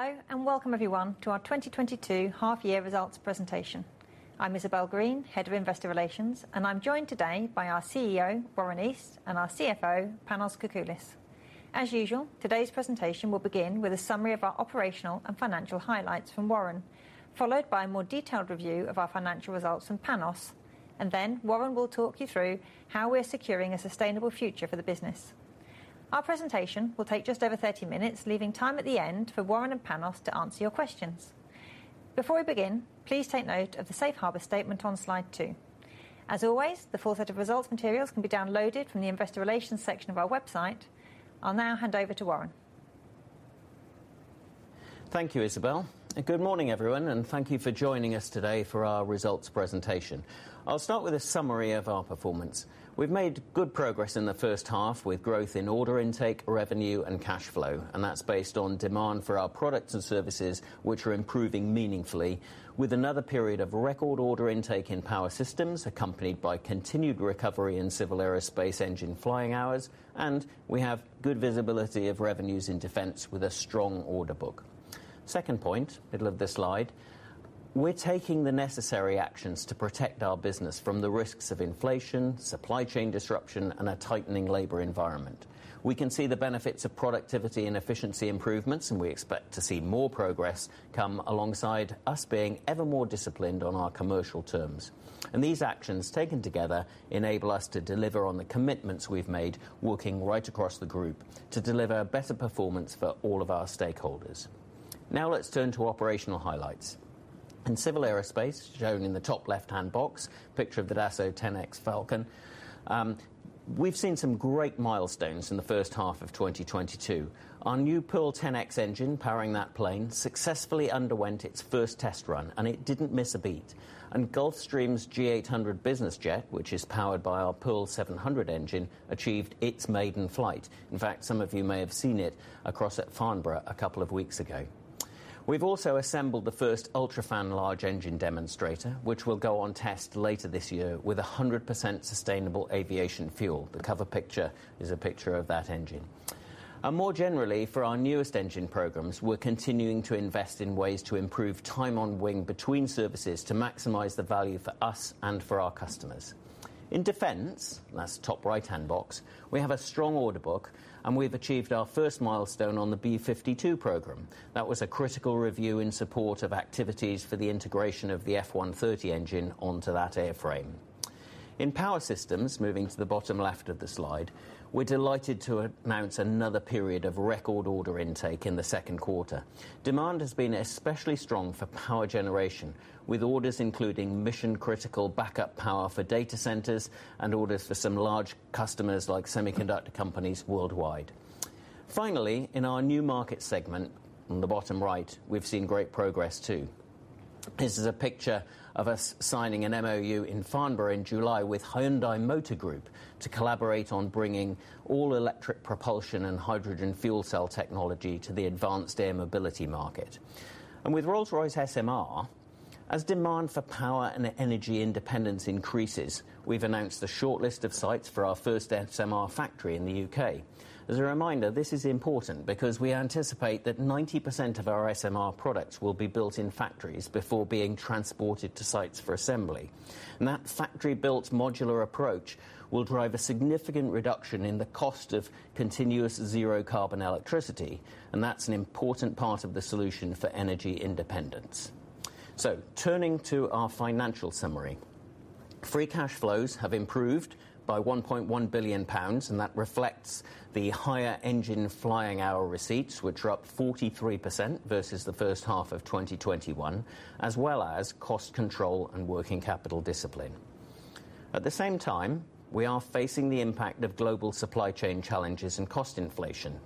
Hello, and welcome everyone to our 2022 half year results presentation. I'm Isabel Green, Head of Investor Relations, and I'm joined today by our CEO, Warren East, and our CFO, Panos Kakoullis. As usual, today's presentation will begin with a summary of our operational and financial highlights from Warren, followed by a more detailed review of our financial results from Panos, and then Warren will talk you through how we're securing a sustainable future for the business. Our presentation will take just over 30 minutes, leaving time at the end for Warren and Panos to answer your questions. Before we begin, please take note of the safe harbor statement on slide two. As always, the full set of results materials can be downloaded from the investor relations section of our website. I'll now hand over to Warren. Thank you, Isabel, and good morning everyone, and thank you for joining us today for our results presentation. I'll start with a summary of our performance. We've made good progress in the first half with growth in order intake, revenue, and cash flow, and that's based on demand for our products and services, which are improving meaningfully with another period of record order intake in Power Systems, accompanied by continued recovery in Civil Aerospace engine flying hours, and we have good visibility of revenues in Defence with a strong order book. Second point, middle of this slide, we're taking the necessary actions to protect our business from the risks of inflation, supply chain disruption, and a tightening labor environment. We can see the benefits of productivity and efficiency improvements, and we expect to see more progress come alongside us being ever more disciplined on our commercial terms. These actions, taken together, enable us to deliver on the commitments we've made working right across the Group to deliver better performance for all of our stakeholders. Now let's turn to operational highlights. In Civil Aerospace, shown in the top left-hand box, picture of the Dassault 10X Falcon, we've seen some great milestones in the first half of 2022. Our new Pearl 10X engine powering that plane successfully underwent its first test run, and it didn't miss a beat. Gulfstream's G800 business jet, which is powered by our Pearl 700 engine, achieved its maiden flight. In fact, some of you may have seen it across at Farnborough a couple of weeks ago. We've also assembled the first UltraFan large engine demonstrator, which will go on test later this year with 100% sustainable aviation fuel. The cover picture is a picture of that engine. More generally, for our newest engine programs, we're continuing to invest in ways to improve time on wing between services to maximize the value for us and for our customers. In Defense, and that's the top right-hand box, we have a strong order book, and we've achieved our first milestone on the B-52 program. That was a critical review in support of activities for the integration of the F130 engine onto that airframe. In Power Systems, moving to the bottom left of the slide, we're delighted to announce another period of record order intake in the second quarter. Demand has been especially strong for power generation, with orders including mission-critical backup power for data centers and orders for some large customers like semiconductor companies worldwide. Finally, in our new market segment, in the bottom right, we've seen great progress too. This is a picture of us signing an MoU in Farnborough in July with Hyundai Motor Group to collaborate on bringing all electric propulsion and hydrogen fuel cell technology to the advanced air mobility market. With Rolls-Royce SMR, as demand for power and energy independence increases, we've announced the shortlist of sites for our first SMR factory in the U.K. As a reminder, this is important because we anticipate that 90% of our SMR products will be built in factories before being transported to sites for assembly. That factory-built modular approach will drive a significant reduction in the cost of continuous zero carbon electricity, and that's an important part of the solution for energy independence. Turning to our financial summary. Free cash flows have improved by 1.1 billion pounds, and that reflects the higher engine flying hour receipts, which are up 43% versus the first half of 2021, as well as cost control and working capital discipline. At the same time, we are facing the impact of global supply chain challenges and cost inflation.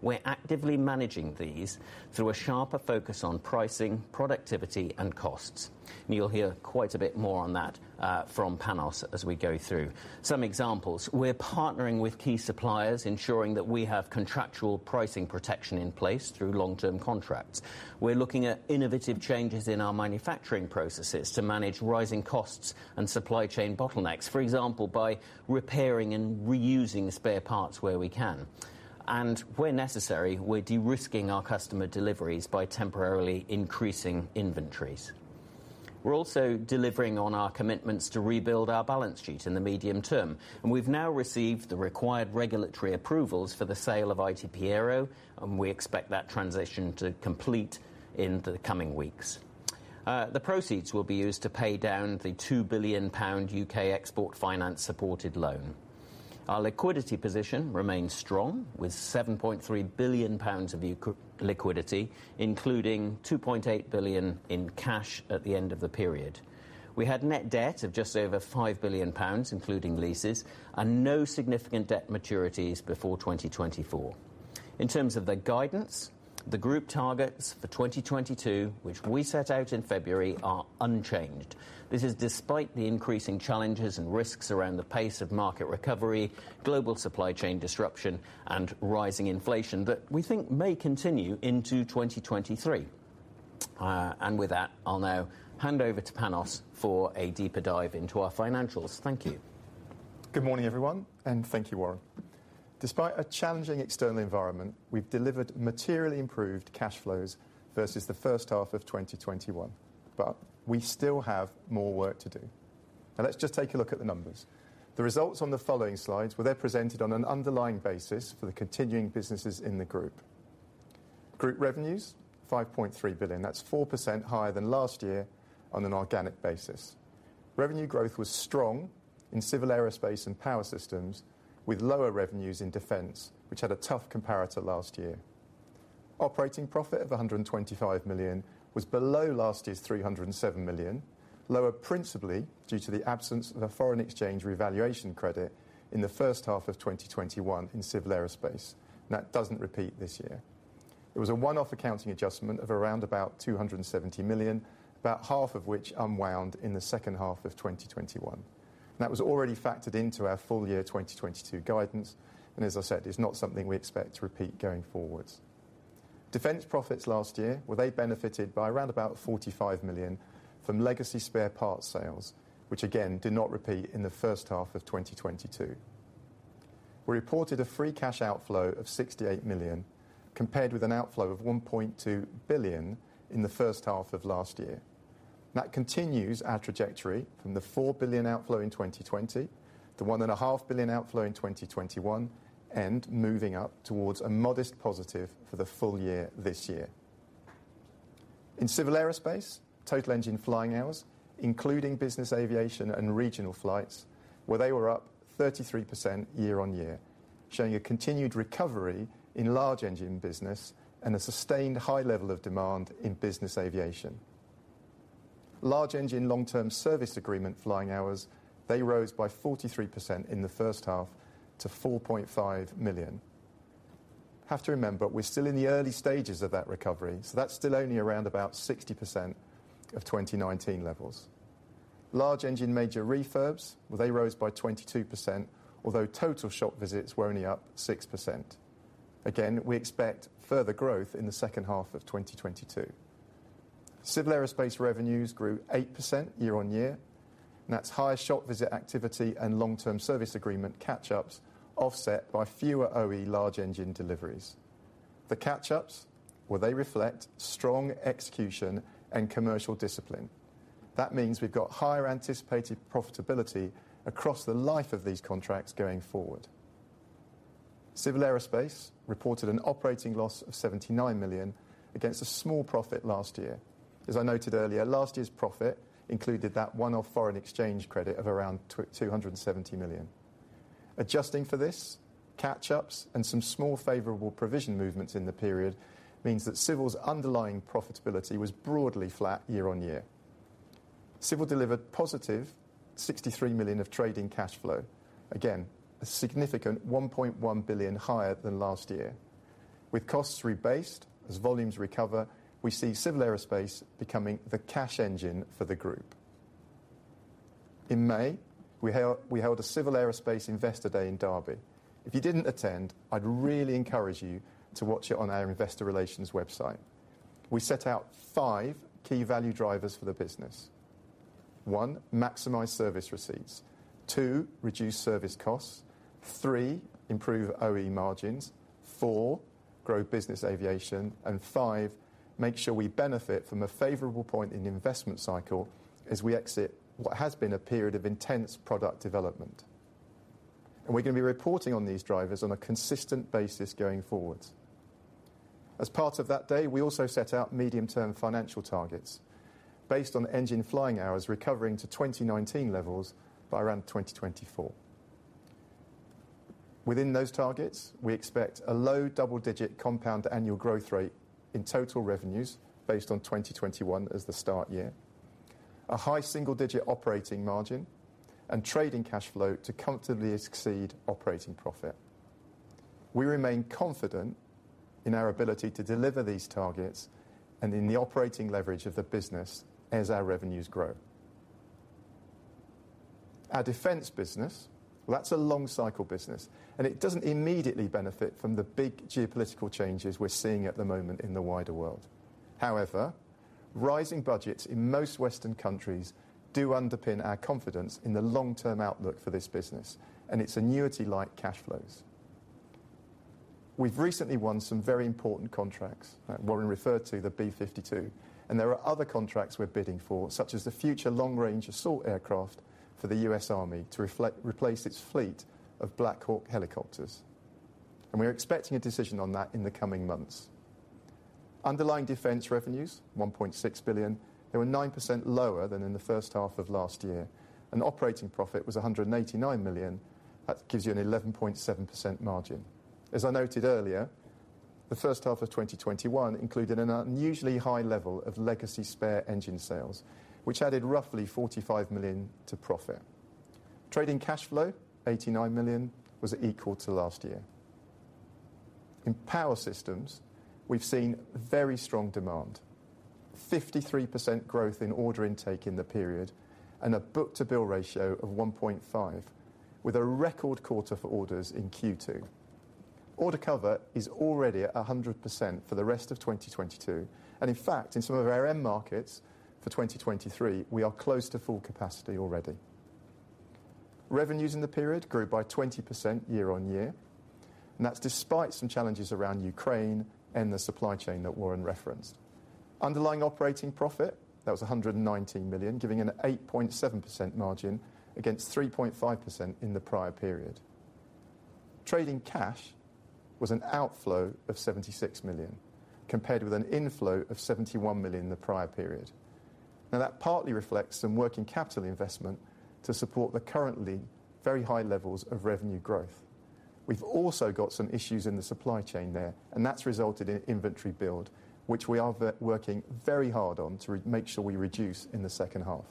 We're actively managing these through a sharper focus on pricing, productivity, and costs. You'll hear quite a bit more on that from Panos as we go through. Some examples. We're partnering with key suppliers, ensuring that we have contractual pricing protection in place through long-term contracts. We're looking at innovative changes in our manufacturing processes to manage rising costs and supply chain bottlenecks. For example, by repairing and reusing spare parts where we can. Where necessary, we're de-risking our customer deliveries by temporarily increasing inventories. We're also delivering on our commitments to rebuild our balance sheet in the medium term, and we've now received the required regulatory approvals for the sale of ITP Aero, and we expect that transition to complete in the coming weeks. The proceeds will be used to pay down the 2 billion pound UK Export Finance-supported loan. Our liquidity position remains strong, with 7.3 billion pounds of pro-forma liquidity, including 2.8 billion in cash at the end of the period. We had net debt of just over 5 billion pounds, including leases, and no significant debt maturities before 2024. In terms of the guidance, the Group targets for 2022, which we set out in February, are unchanged. This is despite the increasing challenges and risks around the pace of market recovery, global supply chain disruption, and rising inflation that we think may continue into 2023. With that, I'll now hand over to Panos for a deeper dive into our financials. Thank you. Good morning, everyone, and thank you Warren. Despite a challenging external environment, we've delivered materially improved cash flows versus the first half of 2021. We still have more work to do. Now let's just take a look at the numbers. The results on the following slides, well, they're presented on an underlying basis for the continuing businesses in the group. Group revenues, 5.3 billion. That's 4% higher than last year on an organic basis. Revenue growth was strong in Civil Aerospace and Power Systems, with lower revenues in Defence, which had a tough comparator last year. Operating profit of 125 million was below last year's 307 million. Lower principally due to the absence of a foreign exchange revaluation credit in the first half of 2021 in Civil Aerospace. That doesn't repeat this year. It was a one-off accounting adjustment of around about 270 million, about half of which unwound in the second half of 2021. That was already factored into our full year 2022 guidance, and as I said, it's not something we expect to repeat going forward. Defence profits last year, well, they benefited by around about 45 million from legacy spare parts sales, which again did not repeat in the first half of 2022. We reported a free cash outflow of 68 million, compared with an outflow of 1.2 billion in the first half of last year. That continues our trajectory from the 4 billion outflow in 2020, to 1.5 billion outflow in 2021, and moving up towards a modest positive for the full year this year. In Civil Aerospace, total engine flying hours, including business aviation and regional flights, well, they were up 33% year-on-year, showing a continued recovery in large engine business and a sustained high level of demand in business aviation. Large engine long-term service agreement flying hours, they rose by 43% in the first half to 4.5 million. Have to remember, we're still in the early stages of that recovery, so that's still only around about 60% of 2019 levels. Large engine major refurbs, well, they rose by 22%, although total shop visits were only up 6%. Again, we expect further growth in the second half of 2022. Civil Aerospace revenues grew 8% year-on-year, and that's high shop visit activity and long-term service agreement catch-ups offset by fewer OE large engine deliveries. The catch-ups, well, they reflect strong execution and commercial discipline. That means we've got higher anticipated profitability across the life of these contracts going forward. Civil Aerospace reported an operating loss of 79 million against a small profit last year. As I noted earlier, last year's profit included that one-off foreign exchange credit of around 270 million. Adjusting for this, catch-ups and some small favorable provision movements in the period means that Civil's underlying profitability was broadly flat year-on-year. Civil delivered positive 63 million of trading cash flow. Again, a significant 1.1 billion higher than last year. With costs rebased as volumes recover, we see Civil Aerospace becoming the cash engine for the group. In May, we held a Civil Aerospace investor day in Derby. If you didn't attend, I'd really encourage you to watch it on our investor relations website. We set out five key value drivers for the business. One, maximize service receipts. Two, reduce service costs. Three, improve OE margins. Four, grow business aviation. Five, make sure we benefit from a favorable point in the investment cycle as we exit what has been a period of intense product development. We're gonna be reporting on these drivers on a consistent basis going forward. As part of that day, we also set out medium-term financial targets based on engine flying hours recovering to 2019 levels by around 2024. Within those targets, we expect a low double-digit compound annual growth rate in total revenues based on 2021 as the start year, a high single-digit operating margin and trading cash flow to comfortably exceed operating profit. We remain confident in our ability to deliver these targets and in the operating leverage of the business as our revenues grow. Our defense business, well, that's a long cycle business, and it doesn't immediately benefit from the big geopolitical changes we're seeing at the moment in the wider world. However, rising budgets in most Western countries do underpin our confidence in the long-term outlook for this business and its annuity-like cash flows. We've recently won some very important contracts that Warren referred to, the B-52, and there are other contracts we're bidding for, such as the Future Long-Range Assault Aircraft for the US Army to replace its fleet of Black Hawk helicopters. We are expecting a decision on that in the coming months. Underlying defense revenues, 1.6 billion, they were 9% lower than in the first half of last year. Operating profit was 189 million. That gives you an 11.7% margin. As I noted earlier, the first half of 2021 included an unusually high level of legacy spare engine sales, which added roughly 45 million to profit. Trading cash flow, 89 million, was equal to last year. In Power Systems, we've seen very strong demand, 53% growth in order intake in the period, and a book-to-bill ratio of 1.5, with a record quarter for orders in Q2. Order cover is already at 100% for the rest of 2022, and in fact, in some of our end markets for 2023, we are close to full capacity already. Revenues in the period grew by 20% year-on-year, and that's despite some challenges around Ukraine and the supply chain that Warren referenced. Underlying operating profit, that was 119 million, giving an 8.7% margin against 3.5% in the prior period. Trading cash was an outflow of 76 million, compared with an inflow of 71 million in the prior period. Now, that partly reflects some working capital investment to support the currently very high levels of revenue growth. We've also got some issues in the supply chain there, and that's resulted in inventory build, which we are working very hard on to make sure we reduce in the second half.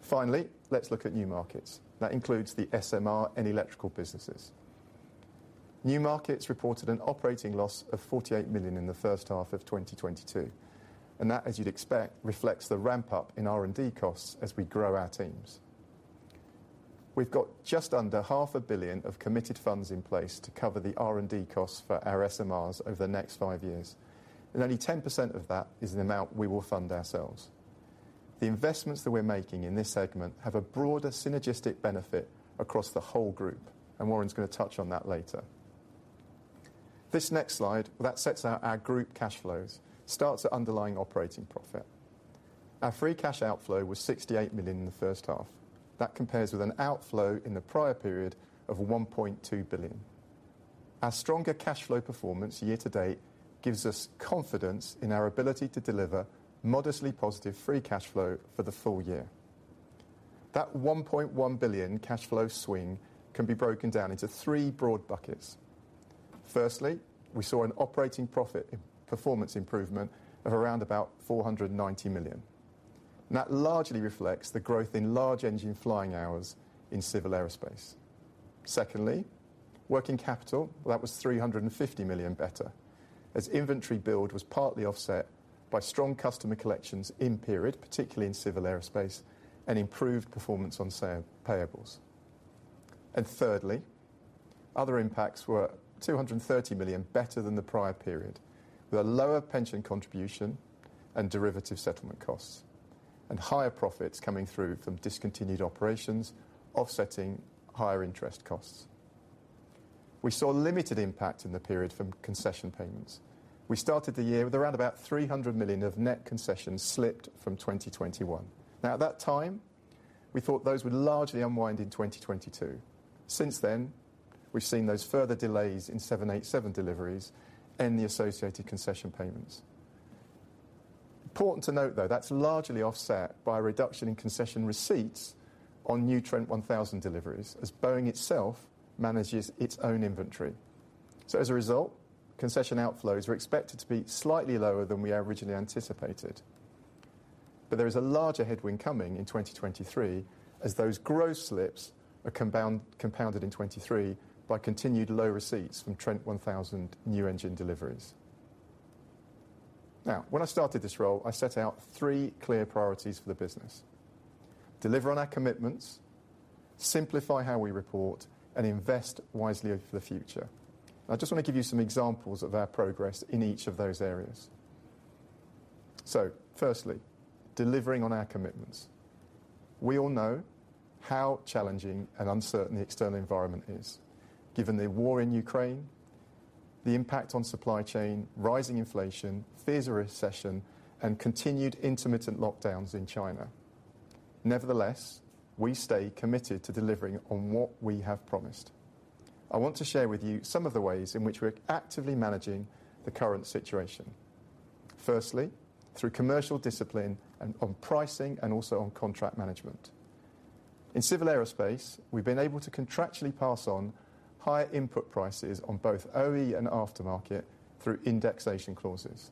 Finally, let's look at new markets. That includes the SMR and electrical businesses. New markets reported an operating loss of 48 million in the first half of 2022, and that, as you'd expect, reflects the ramp-up in R&D costs as we grow our teams. We've got just under GBP half a billion of committed funds in place to cover the R&D costs for our SMRs over the next five years, and only 10% of that is the amount we will fund ourselves. The investments that we're making in this segment have a broader synergistic benefit across the whole group, and Warren's gonna touch on that later. This next slide, well, that sets out our group cash flows, starts at underlying operating profit. Our free cash outflow was 68 million in the first half. That compares with an outflow in the prior period of 1.2 billion. Our stronger cash flow performance year-to-date gives us confidence in our ability to deliver modestly positive free cash flow for the full year. That 1.1 billion cash flow swing can be broken down into three broad buckets. Firstly, we saw an operating profit performance improvement of around about 490 million. That largely reflects the growth in large engine flying hours in Civil Aerospace. Secondly, working capital, well that was 350 million better, as inventory build was partly offset by strong customer collections in period, particularly in Civil Aerospace, and improved performance on supplier payables. Thirdly, other impacts were 230 million better than the prior period, with a lower pension contribution and derivative settlement costs, and higher profits coming through from discontinued operations offsetting higher interest costs. We saw limited impact in the period from concession payments. We started the year with around about 300 million of net concessions slipped from 2021. Now, at that time, we thought those would largely unwind in 2022. Since then, we've seen those further delays in 787 deliveries and the associated concession payments. Important to note though, that's largely offset by a reduction in concession receipts on new Trent 1000 deliveries, as Boeing itself manages its own inventory. As a result, concession outflows are expected to be slightly lower than we originally anticipated. There is a larger headwind coming in 2023 as those growth slips are compounded in 2023 by continued low receipts from Trent 1000 new engine deliveries. Now, when I started this role, I set out three clear priorities for the business, deliver on our commitments, simplify how we report, and invest wisely for the future. I just wanna give you some examples of our progress in each of those areas. Firstly, delivering on our commitments. We all know how challenging and uncertain the external environment is, given the war in Ukraine, the impact on supply chain, rising inflation, fears of recession, and continued intermittent lockdowns in China. Nevertheless, we stay committed to delivering on what we have promised. I want to share with you some of the ways in which we're actively managing the current situation. Firstly, through commercial discipline and on pricing and also on contract management. In Civil Aerospace, we've been able to contractually pass on higher input prices on both OE and aftermarket through indexation clauses.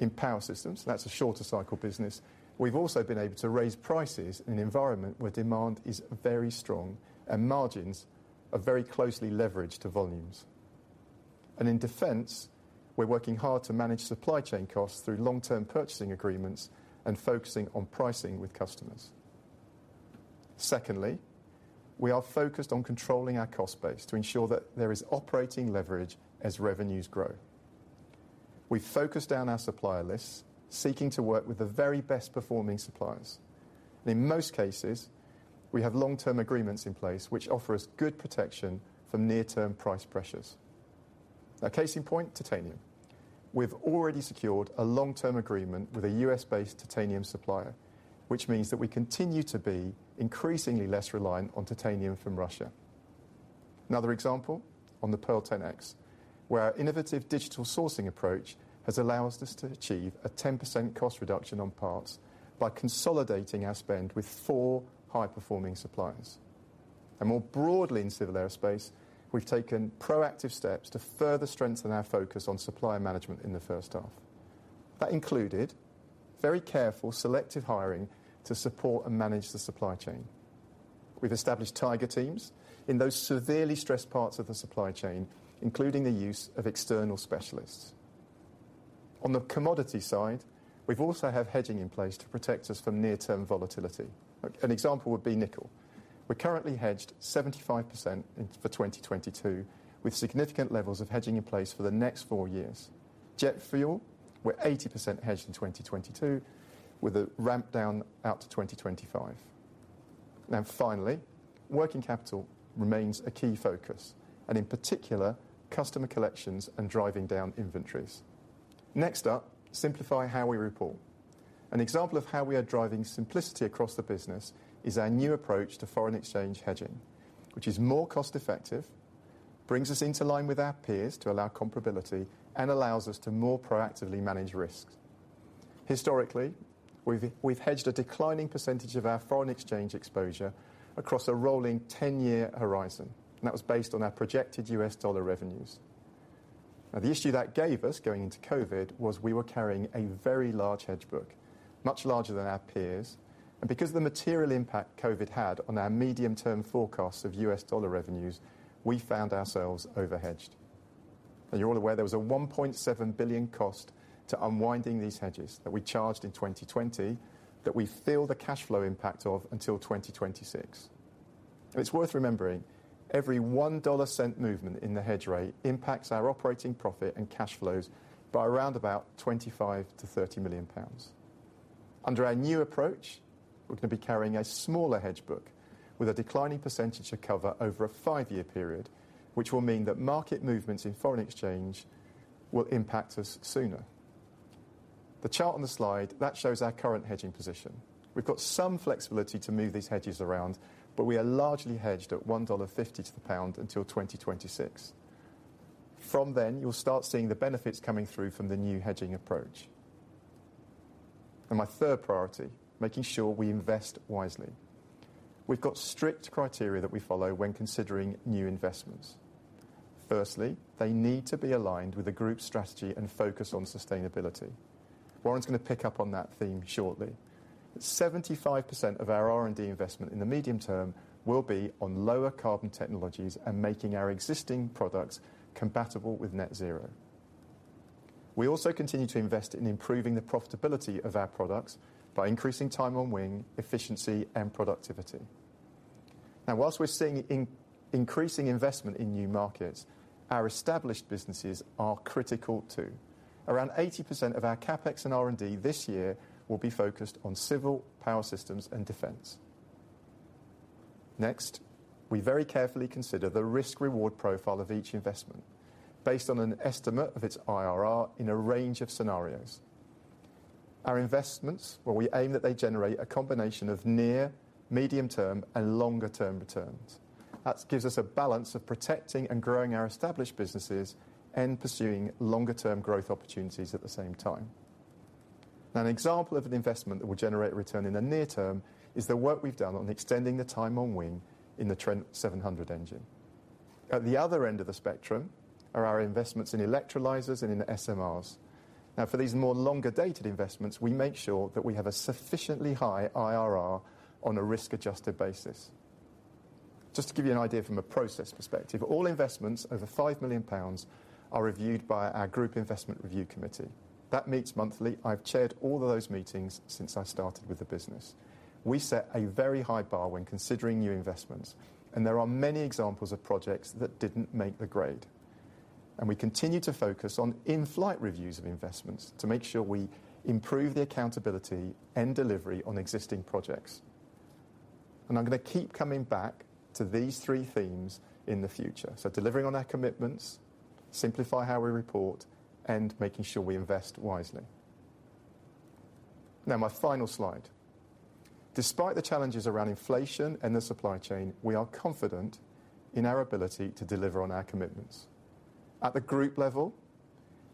In Power Systems, that's a shorter cycle business, we've also been able to raise prices in an environment where demand is very strong and margins are very closely leveraged to volumes. In Defence, we're working hard to manage supply chain costs through long-term purchasing agreements and focusing on pricing with customers. Secondly, we are focused on controlling our cost base to ensure that there is operating leverage as revenues grow. We focus down our supplier lists, seeking to work with the very best performing suppliers. In most cases, we have long-term agreements in place which offer us good protection from near-term price pressures. A case in point, titanium. We've already secured a long-term agreement with a US -based titanium supplier, which means that we continue to be increasingly less reliant on titanium from Russia. Another example on the Pearl 10X, where our innovative digital sourcing approach has allowed us to achieve a 10% cost reduction on parts by consolidating our spend with 4 high-performing suppliers. More broadly in Civil Aerospace, we've taken proactive steps to further strengthen our focus on supplier management in the first half. That included very careful selective hiring to support and manage the supply chain. We've established tiger teams in those severely stressed parts of the supply chain, including the use of external specialists. On the commodity side, we also have hedging in place to protect us from near-term volatility. An example would be nickel. We're currently hedged 75% in for 2022, with significant levels of hedging in place for the next four years. Jet fuel, we're 80% hedged in 2022, with a ramp down out to 2025. Now finally, working capital remains a key focus and in particular customer collections and driving down inventories. Next up, simplify how we report. An example of how we are driving simplicity across the business is our new approach to foreign exchange hedging, which is more cost effective, brings us into line with our peers to allow comparability and allows us to more proactively manage risks. Historically, we've hedged a declining percentage of our foreign exchange exposure across a rolling ten-year horizon, and that was based on our projected US dollar revenues. Now the issue that gave us going into COVID was we were carrying a very large hedge book, much larger than our peers. Because of the material impact COVID had on our medium-term forecasts of US dollar revenues, we found ourselves overhedged. You're all aware there was a 1.7 billion cost to unwinding these hedges that we charged in 2020 that we feel the cash flow impact of until 2026. It's worth remembering every 1-cent movement in the hedge rate impacts our operating profit and cash flows by around about 25-30 million pounds. Under our new approach, we're gonna be carrying a smaller hedge book with a declining percentage of cover over a five-year period, which will mean that market movements in foreign exchange will impact us sooner. The chart on the slide that shows our current hedging position. We've got some flexibility to move these hedges around, but we are largely hedged at $1.50 to the pound until 2026. From then, you'll start seeing the benefits coming through from the new hedging approach. My third priority, making sure we invest wisely. We've got strict criteria that we follow when considering new investments. Firstly, they need to be aligned with the group strategy and focus on sustainability. Warren's gonna pick up on that theme shortly. 75% of our R&D investment in the medium term will be on lower carbon technologies and making our existing products compatible with net zero. We also continue to invest in improving the profitability of our products by increasing time on wing, efficiency, and productivity. Now while we're seeing increasing investment in new markets, our established businesses are critical too. Around 80% of our CapEx and R&D this year will be focused on civil power systems and defense. Next, we very carefully consider the risk-reward profile of each investment based on an estimate of its IRR in a range of scenarios. Our investments, well, we aim that they generate a combination of near, medium term, and longer-term returns. That gives us a balance of protecting and growing our established businesses and pursuing longer-term growth opportunities at the same time. An example of an investment that will generate return in the near term is the work we've done on extending the time on wing in the Trent 700 engine. At the other end of the spectrum are our investments in electrolyzers and in SMRs. For these more longer-dated investments, we make sure that we have a sufficiently high IRR on a risk-adjusted basis. Just to give you an idea from a process perspective, all investments over 5 million pounds are reviewed by our group investment review committee. That meets monthly. I've chaired all of those meetings since I started with the business. We set a very high bar when considering new investments, and there are many examples of projects that didn't make the grade. We continue to focus on in-flight reviews of investments to make sure we improve the accountability and delivery on existing projects. I'm gonna keep coming back to these three themes in the future. Delivering on our commitments, simplify how we report, and making sure we invest wisely. Now my final slide. Despite the challenges around inflation and the supply chain, we are confident in our ability to deliver on our commitments. At the group level,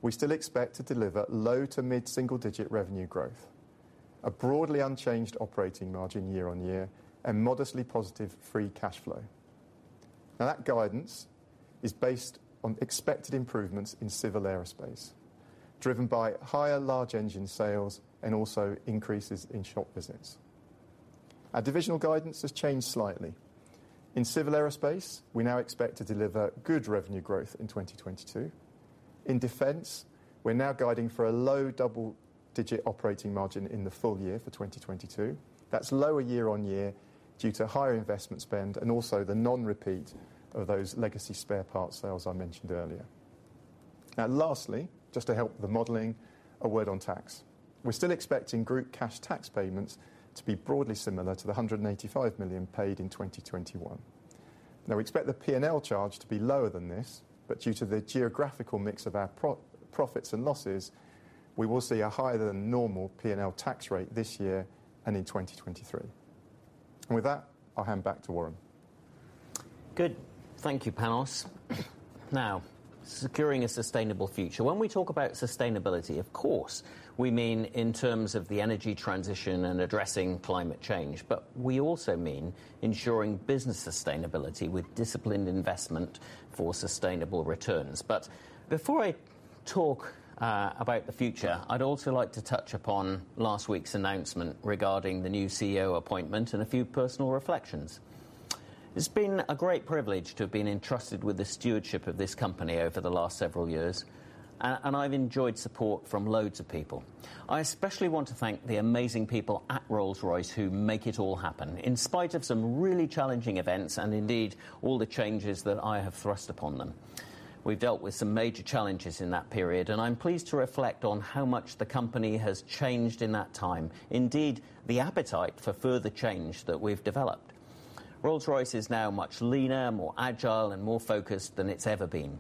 we still expect to deliver low- to mid-single-digit% revenue growth, a broadly unchanged operating margin year-on-year, and modestly positive free cash flow. Now that guidance is based on expected improvements in Civil Aerospace driven by higher large engine sales and also increases in shop visits. Our divisional guidance has changed slightly. In Civil Aerospace, we now expect to deliver good revenue growth in 2022. In Defense, we're now guiding for a low double-digit% operating margin in the full year for 2022. That's lower year-over-year due to higher investment spend and also the non-repeat of those legacy spare parts sales I mentioned earlier. Now lastly, just to help the modeling, a word on tax. We're still expecting group cash tax payments to be broadly similar to the 185 million paid in 2021. Now we expect the P&L charge to be lower than this, but due to the geographical mix of our profits and losses, we will see a higher than normal P&L tax rate this year and in 2023. With that, I'll hand back to Warren. Good. Thank you, Panos. Now, securing a sustainable future. When we talk about sustainability, of course, we mean in terms of the energy transition and addressing climate change, but we also mean ensuring business sustainability with disciplined investment for sustainable returns. Before I talk about the future, I'd also like to touch upon last week's announcement regarding the new CEO appointment and a few personal reflections. It's been a great privilege to have been entrusted with the stewardship of this company over the last several years. And I've enjoyed support from loads of people. I especially want to thank the amazing people at Rolls-Royce who make it all happen in spite of some really challenging events, and indeed, all the changes that I have thrust upon them. We've dealt with some major challenges in that period, and I'm pleased to reflect on how much the company has changed in that time. Indeed, the appetite for further change that we've developed. Rolls-Royce is now much leaner, more agile, and more focused than it's ever been.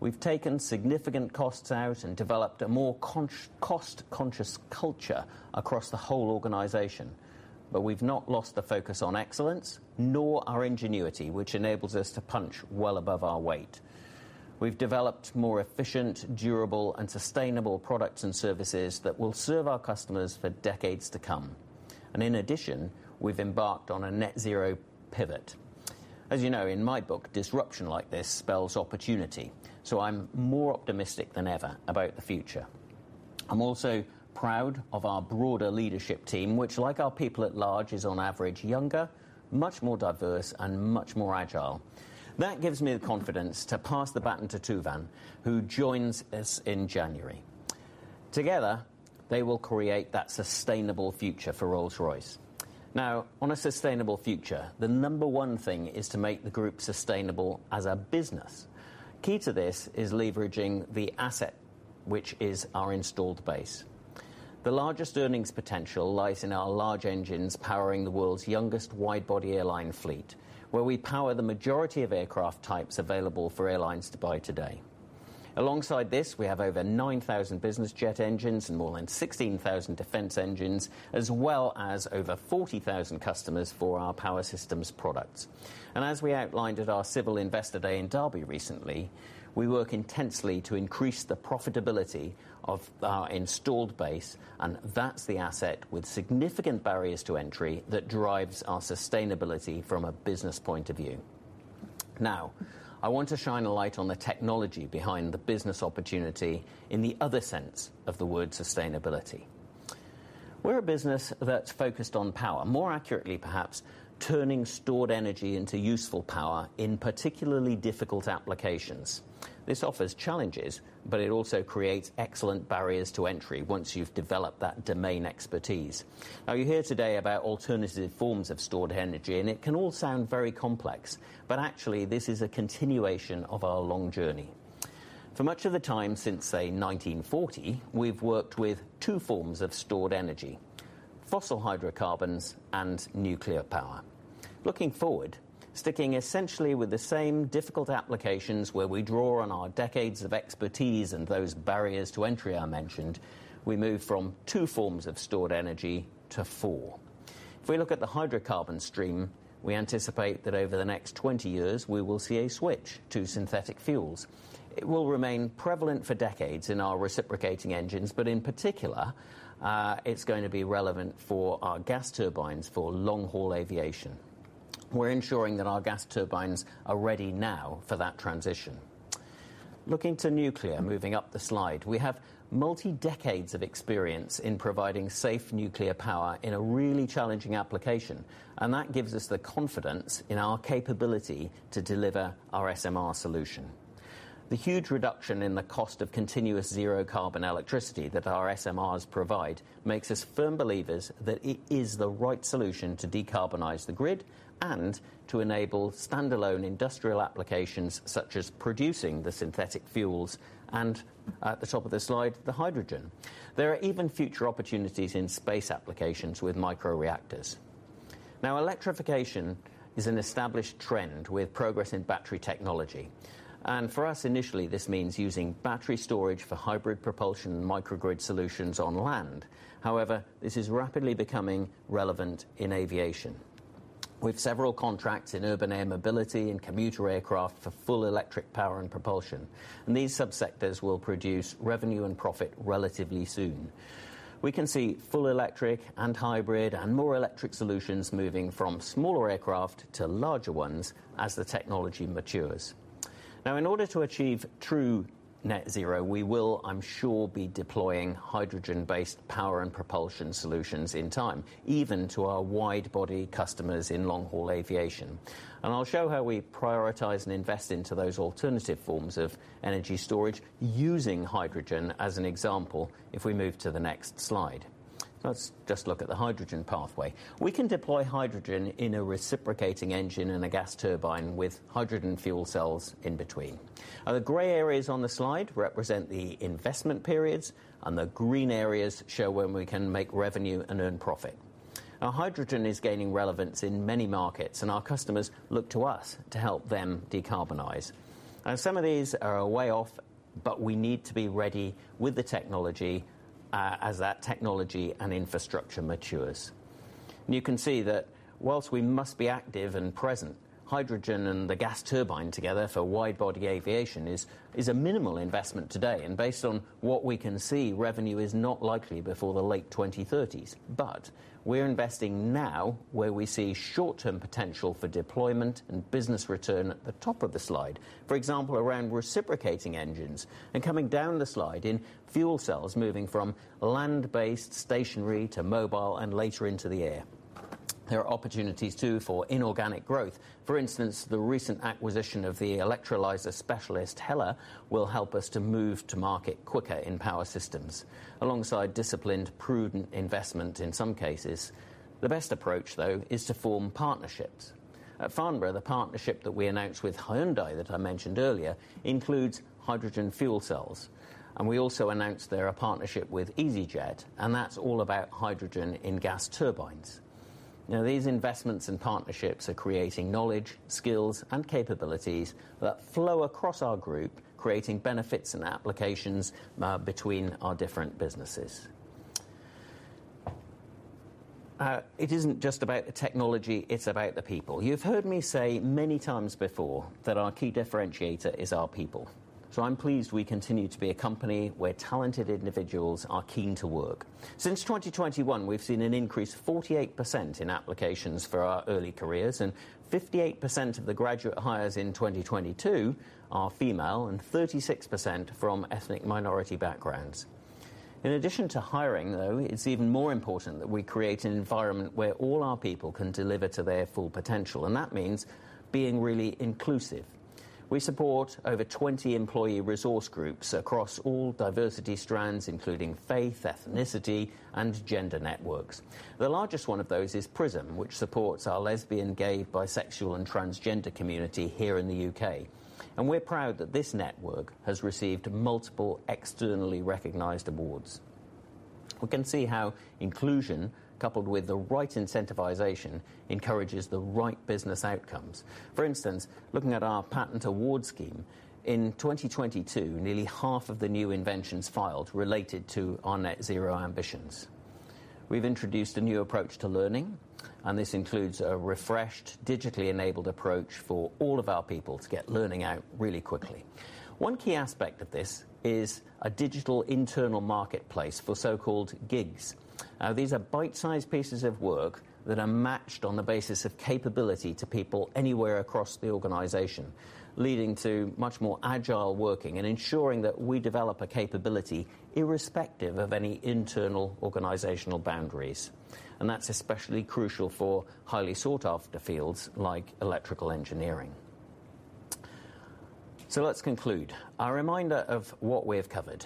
We've taken significant costs out and developed a more cost-conscious culture across the whole organization. We've not lost the focus on excellence, nor our ingenuity, which enables us to punch well above our weight. We've developed more efficient, durable, and sustainable products and services that will serve our customers for decades to come. In addition, we've embarked on a net zero pivot. As you know, in my book, disruption like this spells opportunity, so I'm more optimistic than ever about the future. I'm also proud of our broader leadership team, which like our people at large, is on average younger, much more diverse, and much more agile. That gives me the confidence to pass the baton to Tufan, who joins us in January. Together, they will create that sustainable future for Rolls-Royce. Now, on a sustainable future, the number one thing is to make the group sustainable as a business. Key to this is leveraging the asset, which is our installed base. The largest earnings potential lies in our large engines powering the world's youngest wide-body airline fleet, where we power the majority of aircraft types available for airlines to buy today. Alongside this, we have over 9,000 business jet engines and more than 16,000 defense engines, as well as over 40,000 customers for our Power Systems products. As we outlined at our Civil Investor Day in Derby recently, we work intensely to increase the profitability of our installed base, and that's the asset with significant barriers to entry that drives our sustainability from a business point of view. Now, I want to shine a light on the technology behind the business opportunity in the other sense of the word sustainability. We're a business that's focused on power. More accurately, perhaps, turning stored energy into useful power in particularly difficult applications. This offers challenges, but it also creates excellent barriers to entry once you've developed that domain expertise. Now, you hear today about alternative forms of stored energy, and it can all sound very complex, but actually this is a continuation of our long journey. For much of the time since, say, 1940, we've worked with two forms of stored energy, fossil hydrocarbons and nuclear power. Looking forward, sticking essentially with the same difficult applications where we draw on our decades of expertise and those barriers to entry I mentioned, we move from two forms of stored energy to four. If we look at the hydrocarbon stream, we anticipate that over the next 20 years, we will see a switch to synthetic fuels. It will remain prevalent for decades in our reciprocating engines, but in particular, it's going to be relevant for our gas turbines for long-haul aviation. We're ensuring that our gas turbines are ready now for that transition. Looking to nuclear, moving up the slide, we have multidecades of experience in providing safe nuclear power in a really challenging application, and that gives us the confidence in our capability to deliver our SMR solution. The huge reduction in the cost of continuous zero carbon electricity that our SMRs provide makes us firm believers that it is the right solution to decarbonize the grid and to enable standalone industrial applications such as producing the synthetic fuels and at the top of the slide, the hydrogen. There are even future opportunities in space applications with microreactors. Now, electrification is an established trend with progress in battery technology. For us, initially, this means using battery storage for hybrid propulsion and microgrid solutions on land. However, this is rapidly becoming relevant in aviation. With several contracts in urban air mobility and commuter aircraft for full electric power and propulsion, and these subsectors will produce revenue and profit relatively soon. We can see full electric and hybrid and more electric solutions moving from smaller aircraft to larger ones as the technology matures. Now, in order to achieve true net zero, we will, I'm sure, be deploying hydrogen-based power and propulsion solutions in time, even to our wide-body customers in long-haul aviation. I'll show how we prioritize and invest into those alternative forms of energy storage using hydrogen as an example, if we move to the next slide. Let's just look at the hydrogen pathway. We can deploy hydrogen in a reciprocating engine in a gas turbine with hydrogen fuel cells in between. Now, the gray areas on the slide represent the investment periods, and the green areas show when we can make revenue and earn profit. Now, hydrogen is gaining relevance in many markets, and our customers look to us to help them decarbonize. Some of these are a way off, but we need to be ready with the technology as that technology and infrastructure matures. You can see that while we must be active and present, hydrogen and the gas turbine together for wide-body aviation is a minimal investment today. Based on what we can see, revenue is not likely before the late 2030s. We're investing now where we see short-term potential for deployment and business return at the top of the slide. For example, around reciprocating engines and coming down the slide in fuel cells, moving from land-based stationary to mobile and later into the air. There are opportunities too for inorganic growth. For instance, the recent acquisition of the electrolyzer specialist, Hoeller, will help us to move to market quicker in Power Systems alongside disciplined, prudent investment in some cases. The best approach, though, is to form partnerships. At Farnborough, the partnership that we announced with Hyundai that I mentioned earlier includes hydrogen fuel cells, and we also announced there a partnership with easyJet, and that's all about hydrogen in gas turbines. Now, these investments and partnerships are creating knowledge, skills, and capabilities that flow across our group, creating benefits and applications between our different businesses. It isn't just about the technology, it's about the people. You've heard me say many times before that our key differentiator is our people, so I'm pleased we continue to be a company where talented individuals are keen to work. Since 2021, we've seen an increase 48% in applications for our early careers, and 58% of the graduate hires in 2022 are female and 36% from ethnic minority backgrounds. In addition to hiring, though, it's even more important that we create an environment where all our people can deliver to their full potential, and that means being really inclusive. We support over 20 employee resource groups across all diversity strands, including faith, ethnicity, and gender networks. The largest one of those is Prism, which supports our lesbian, gay, bisexual, and transgender community here in the U.K., and we're proud that this network has received multiple externally recognized awards. We can see how inclusion coupled with the right incentivization encourages the right business outcomes. For instance, looking at our patent award scheme, in 2022, nearly half of the new inventions filed related to our net zero ambitions. We've introduced a new approach to learning, and this includes a refreshed, digitally enabled approach for all of our people to get learning out really quickly. One key aspect of this is a digital internal marketplace for so-called gigs. These are bite-sized pieces of work that are matched on the basis of capability to people anywhere across the organization, leading to much more agile working and ensuring that we develop a capability irrespective of any internal organizational boundaries. That's especially crucial for highly sought-after fields like electrical engineering. Let's conclude. A reminder of what we have covered.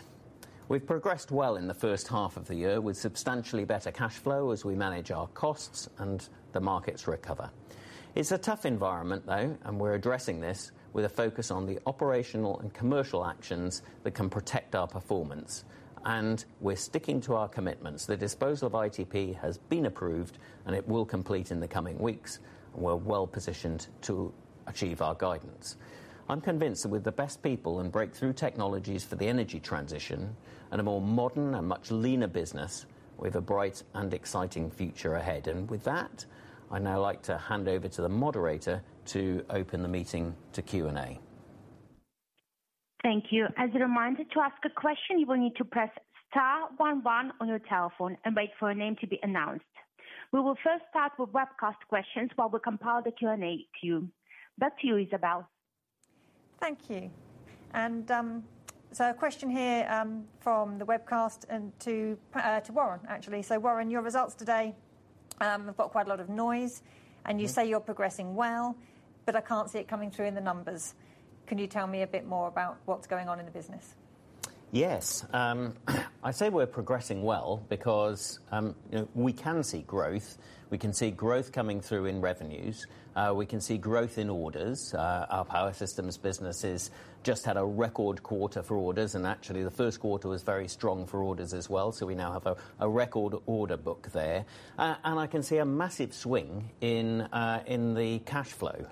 We've progressed well in the first half of the year with substantially better cash flow as we manage our costs and the markets recover. It's a tough environment, though, and we're addressing this with a focus on the operational and commercial actions that can protect our performance. We're sticking to our commitments. The disposal of ITP has been approved, and it will complete in the coming weeks, and we're well-positioned to achieve our guidance. I'm convinced that with the best people and breakthrough technologies for the energy transition and a more modern and much leaner business, we've a bright and exciting future ahead. With that, I'd now like to hand over to the operator to open the meeting to Q&A. Thank you. As a reminder, to ask a question, you will need to press star one one on your telephone and wait for a name to be announced. We will first start with webcast questions while we compile the Q&A queue. Back to you, Isabel. Thank you. A question here from the webcast to Warren, actually. Warren, your results today have got quite a lot of noise, and you say you're progressing well, but I can't see it coming through in the numbers. Can you tell me a bit more about what's going on in the business? I say we're progressing well because, you know, we can see growth. We can see growth coming through in revenues. We can see growth in orders. Our Power Systems business has just had a record quarter for orders, and actually the first quarter was very strong for orders as well, so we now have a record order book there. And I can see a massive swing in the cash flow.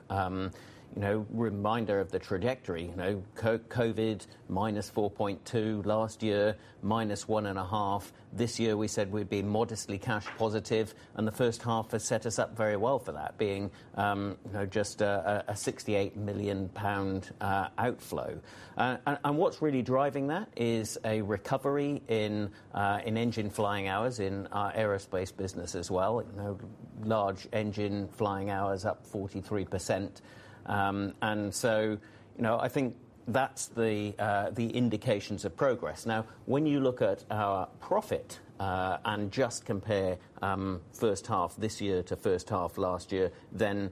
You know, reminder of the trajectory. You know, COVID, -4.2. Last year, -1.5. This year, we said we'd be modestly cash positive, and the first half has set us up very well for that, being just a 68 million pound outflow. What's really driving that is a recovery in engine flying hours in our aerospace business as well. You know, large engine flying hours up 43%. You know, I think that's the indications of progress. Now, when you look at our profit and just compare first half this year to first half last year, you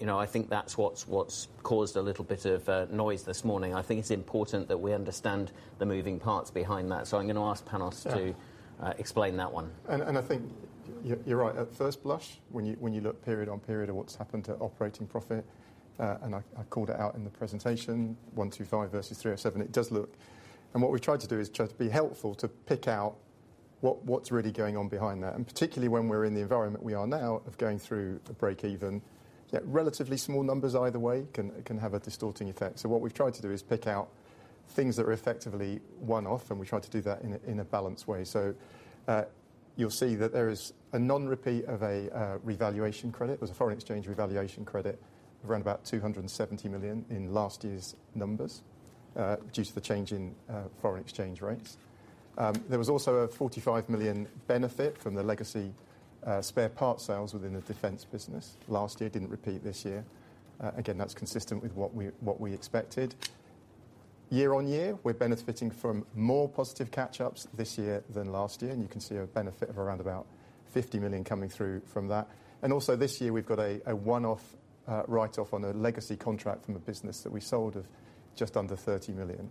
know, I think that's what's caused a little bit of noise this morning. I think it's important that we understand the moving parts behind that, so I'm gonna ask Panos to explain that one. I think you're right. At first blush, when you look period-on-period at what's happened to operating profit, and I called it out in the presentation, 125 versus 307, it does look. What we've tried to do is to be helpful to pick out what's really going on behind that. Particularly when we're in the environment we are now of going through a breakeven, yet relatively small numbers either way can have a distorting effect. What we've tried to do is pick out things that were effectively one-off, and we tried to do that in a balanced way. You'll see that there is a non-repeat of a revaluation credit. It was a foreign exchange revaluation credit of around about 270 million in last year's numbers, due to the change in foreign exchange rates. There was also a 45 million benefit from the legacy spare parts sales within the Defence business last year. Didn't repeat this year. Again, that's consistent with what we expected. Year-on-year, we're benefiting from more positive catch-ups this year than last year, and you can see a benefit of around about 50 million coming through from that. Also this year we've got a one-off write-off on a legacy contract from a business that we sold of just under 30 million.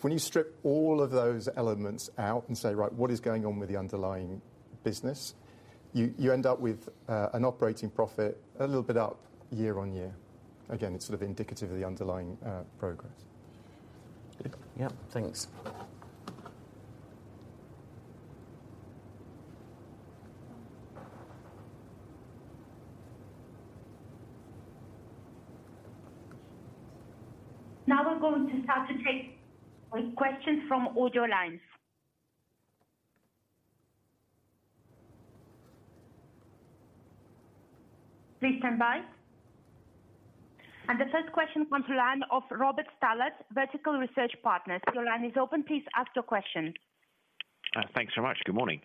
When you strip all of those elements out and say, "Right, what is going on with the underlying business?" You end up with an operating profit a little bit up year-over-year. Again, it's sort of indicative of the underlying progress. Yeah, thanks. Now we're going to start to take questions from audio lines. Please stand by. The first question comes from the line of Robert Stallard, Vertical Research Partners. Your line is open. Please ask your question. Thanks so much. Good morning.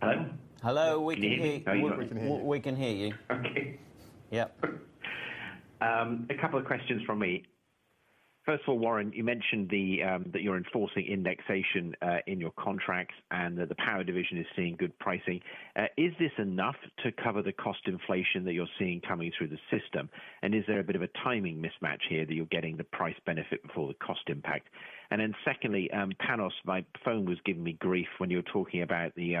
Hello? Hello. We can hear you. Can you hear me? We can hear you. Okay. Yeah. A couple of questions from me. First of all, Warren, you mentioned that you're enforcing indexation in your contracts and that the power division is seeing good pricing. Is this enough to cover the cost inflation that you're seeing coming through the system? And is there a bit of a timing mismatch here that you're getting the price benefit before the cost impact? And then secondly, Panos, my phone was giving me grief when you were talking about the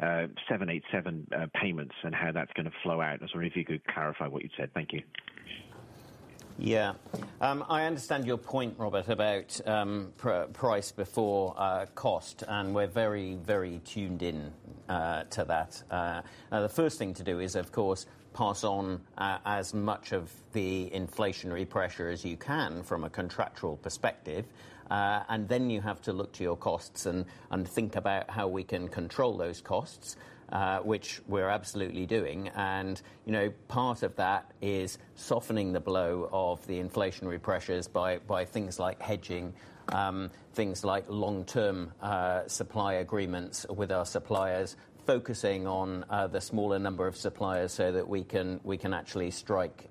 787 payments and how that's gonna flow out. I was wondering if you could clarify what you said? Thank you. Yeah. I understand your point, Robert, about price before cost, and we're very tuned in to that. Now the first thing to do is, of course, pass on as much of the inflationary pressure as you can from a contractual perspective. You have to look to your costs and think about how we can control those costs, which we're absolutely doing. You know, part of that is softening the blow of the inflationary pressures by things like hedging, things like long-term supply agreements with our suppliers, focusing on the smaller number of suppliers so that we can actually strike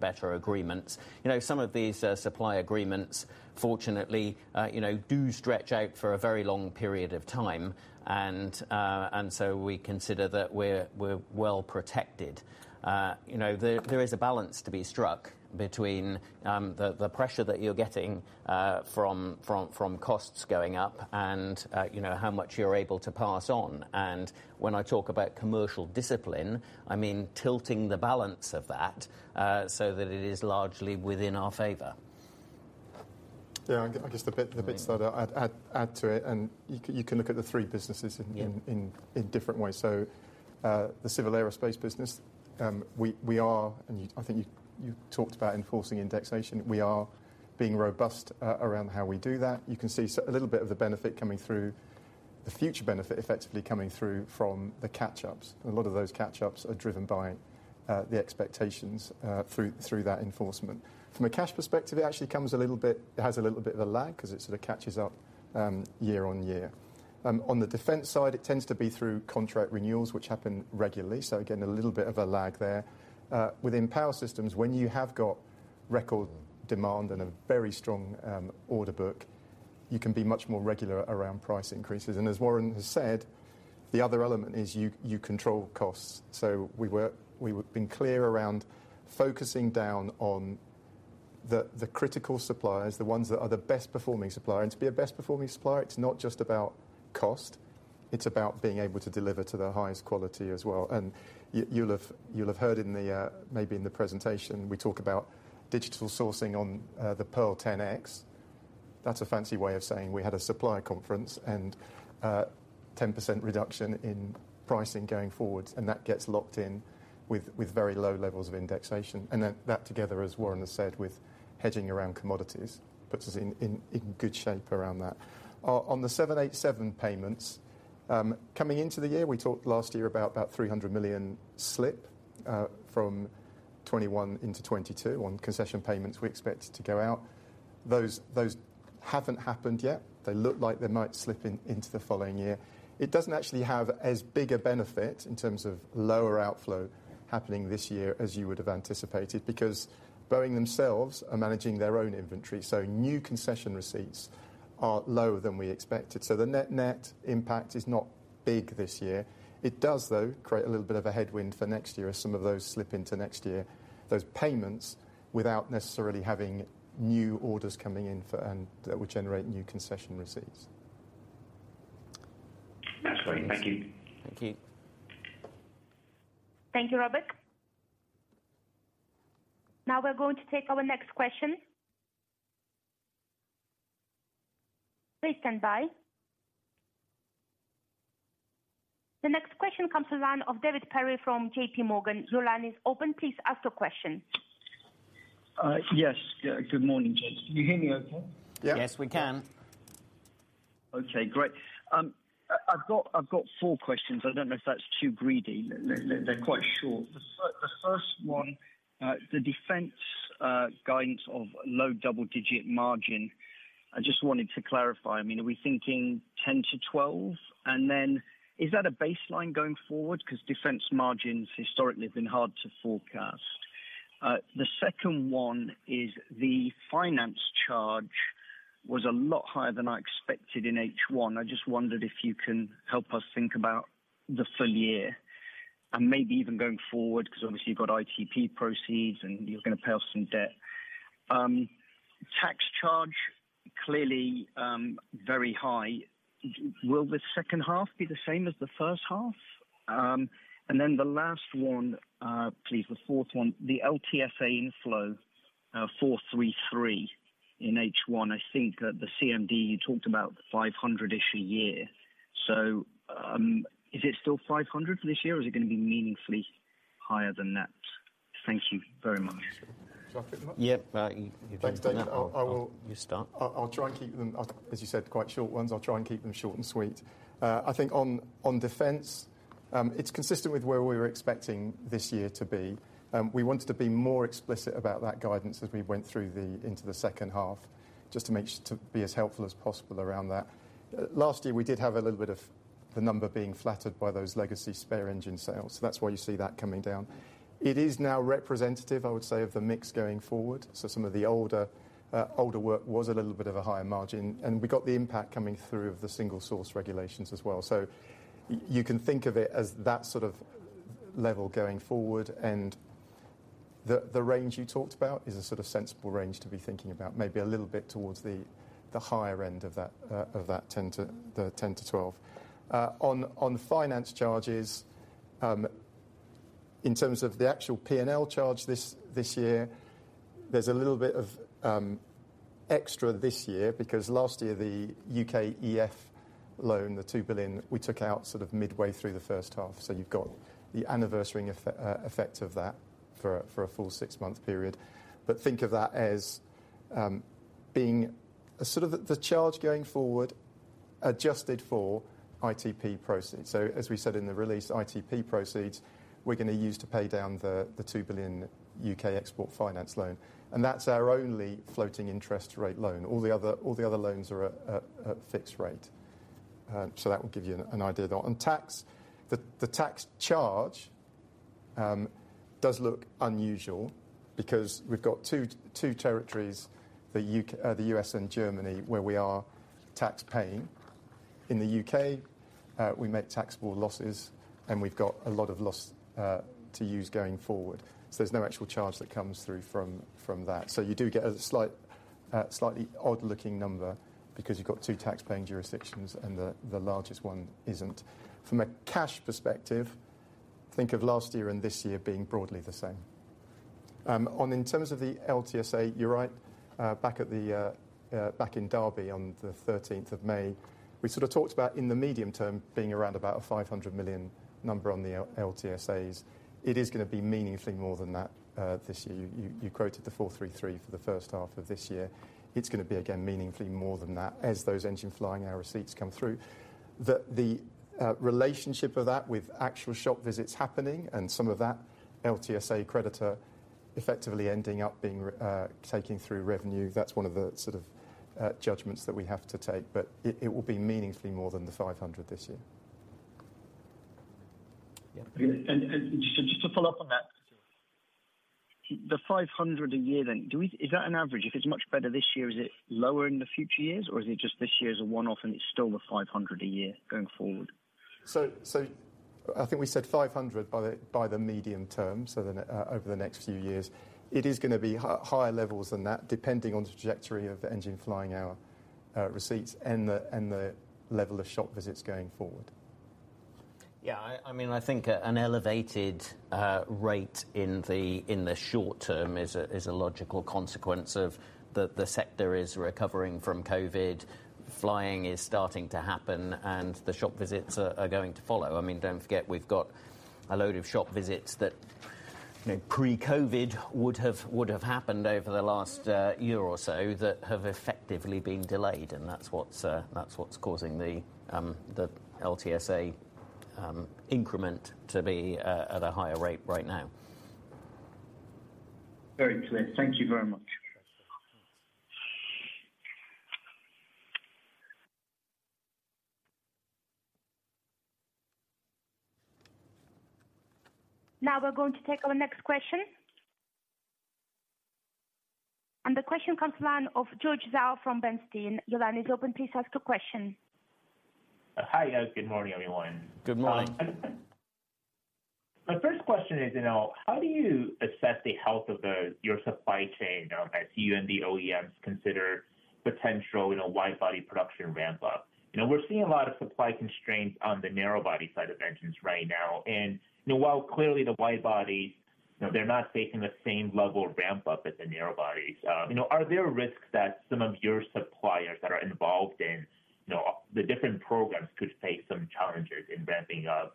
better agreements. You know, some of these supply agreements, fortunately, you know, do stretch out for a very long period of time. We consider that we're well protected. You know, there is a balance to be struck between the pressure that you're getting from costs going up and you know, how much you're able to pass on. When I talk about commercial discipline, I mean tilting the balance of that so that it is largely within our favor. Yeah, I guess the bit so that I'd add to it, and you can look at the three businesses in- Yeah In different ways. The Civil Aerospace business. I think you talked about enforcing indexation. We are being robust around how we do that. You can see a little bit of the benefit coming through, the future benefit effectively coming through from the catch-ups. A lot of those catch-ups are driven by the expectations through that enforcement. From a cash perspective, it actually comes a little bit, it has a little bit of a lag 'cause it sort of catches up year-on-year. On the defense side, it tends to be through contract renewals, which happen regularly. Again, a little bit of a lag there. Within Power Systems, when you have got record demand and a very strong order book, you can be much more regular around price increases. As Warren has said, the other element is you control costs. We been clear around focusing down on the critical suppliers, the ones that are the best performing supplier. To be a best performing supplier, it's not just about cost, it's about being able to deliver to the highest quality as well. You'll have heard in the maybe in the presentation we talk about digital sourcing on the Pearl 10X. That's a fancy way of saying we had a supplier conference and 10% reduction in pricing going forward, and that gets locked in with very low levels of indexation. Then that together, as Warren has said, with hedging around commodities, puts us in good shape around that. On the 787 payments, coming into the year, we talked last year about that 300 million slip from 2021 into 2022 on concession payments we expected to go out. Those haven't happened yet. They look like they might slip into the following year. It doesn't actually have as big a benefit in terms of lower outflow happening this year as you would have anticipated because Boeing themselves are managing their own inventory. So new concession receipts are lower than we expected. So the net-net impact is not big this year. It does, though, create a little bit of a headwind for next year as some of those slip into next year, those payments, without necessarily having new orders coming in for, and that would generate new concession receipts. That's great. Thank you. Thank you. Thank you, Robert. Now we're going to take our next question. Please stand by. The next question comes to line of David Perry from JPMorgan. Your line is open. Please ask your question. Yes. Good morning, gents. Can you hear me okay? Yeah. Yes, we can. Okay, great. I've got four questions. I don't know if that's too greedy. They're quite short. The first one, the defense. Guidance of low double-digit margin. I just wanted to clarify, I mean, are we thinking 10%-12%? Is that a baseline going forward? 'Cause defense margins historically have been hard to forecast. The second one is the finance charge was a lot higher than I expected in H1. I just wondered if you can help us think about the full year and maybe even going forward, 'cause obviously you've got ITP proceeds and you're gonna pay off some debt. Tax charge, clearly, very high. Will the second half be the same as the first half? The last one, the fourth one, the LTSA inflow, 433 million in H1. I think at the CMD you talked about 500 million-ish a year. Is it still 500 for this year, or is it gonna be meaningfully higher than that? Thank you very much. Shall I pick them up? Yeah. You can pick them up. Thanks, David. I will- You start. I'll try and keep them, as you said, quite short ones. I'll try and keep them short and sweet. I think on defense, it's consistent with where we were expecting this year to be. We wanted to be more explicit about that guidance as we went through into the second half, just to be as helpful as possible around that. Last year we did have a little bit of the number being flattered by those legacy spare engine sales. That's why you see that coming down. It is now representative, I would say, of the mix going forward. Some of the older work was a little bit of a higher margin, and we got the impact coming through of the Single Source Regulations as well. You can think of it as that sort of level going forward, and the range you talked about is a sort of sensible range to be thinking about, maybe a little bit towards the higher end of that 10-12. On finance charges, in terms of the actual P&L charge this year, there's a little bit of extra this year because last year the UK EF loan, the 2 billion, we took out sort of midway through the first half. You've got the anniversary effect of that for a full six-month period. But think of that as being sort of the charge going forward, adjusted for ITP proceeds. As we said in the release, ITP proceeds, we're gonna use to pay down the 2 billion UK Export Finance loan. That's our only floating interest rate loan. All the other loans are at fixed rate. That will give you an idea of that. On tax, the tax charge does look unusual because we've got two territories, the U.K., the U.S. and Germany, where we are tax-paying. In the U.K., we make taxable losses, and we've got a lot of loss to use going forward. There's no actual charge that comes through from that. You do get a slight slightly odd-looking number because you've got two tax-paying jurisdictions and the largest one isn't. From a cash perspective, think of last year and this year being broadly the same. In terms of the LTSA, you're right. Back in Derby on the thirteenth of May, we sort of talked about in the medium term being around about a 500 million number on the LTSAs. It is gonna be meaningfully more than that this year. You quoted the 433 million for the first half of this year. It's gonna be, again, meaningfully more than that as those engine flying hour receipts come through. The relationship of that with actual shop visits happening and some of that LTSA credit effectively ending up being taken through revenue, that's one of the sort of judgments that we have to take. It will be meaningfully more than the 500 million this year. Yeah. Just to follow up on that. Sure. The 500 a year then, is that an average? If it's much better this year, is it lower in the future years, or is it just this year is a one-off and it's still the 500 a year going forward? I think we said 500 by the medium term over the next few years. It is gonna be higher levels than that, depending on the trajectory of the engine flying hour receipts and the level of shop visits going forward. Yeah, I mean, I think an elevated rate in the short term is a logical consequence of the sector recovering from COVID, flying starting to happen, and the shop visits going to follow. I mean, don't forget we've got a load of shop visits that you know pre-COVID would have happened over the last year or so that have effectively been delayed, and that's what's causing the LTSA increment to be at a higher rate right now. Very clear. Thank you very much. Now we're going to take our next question. The question comes in from George Zhao from Bernstein. Your line is open, please ask your question. Hi. Yes, good morning, everyone. Good morning. My first question is, you know, how do you assess the health of your supply chain as you and the OEMs consider potential wide-body production ramp up? You know, we're seeing a lot of supply constraints on the narrow-body side of engines right now. You know, while clearly the wide-body, you know, they're not facing the same level of ramp up as the narrow bodies, you know, are there risks that some of your suppliers that are involved in the different programs could face some challenges in ramping up?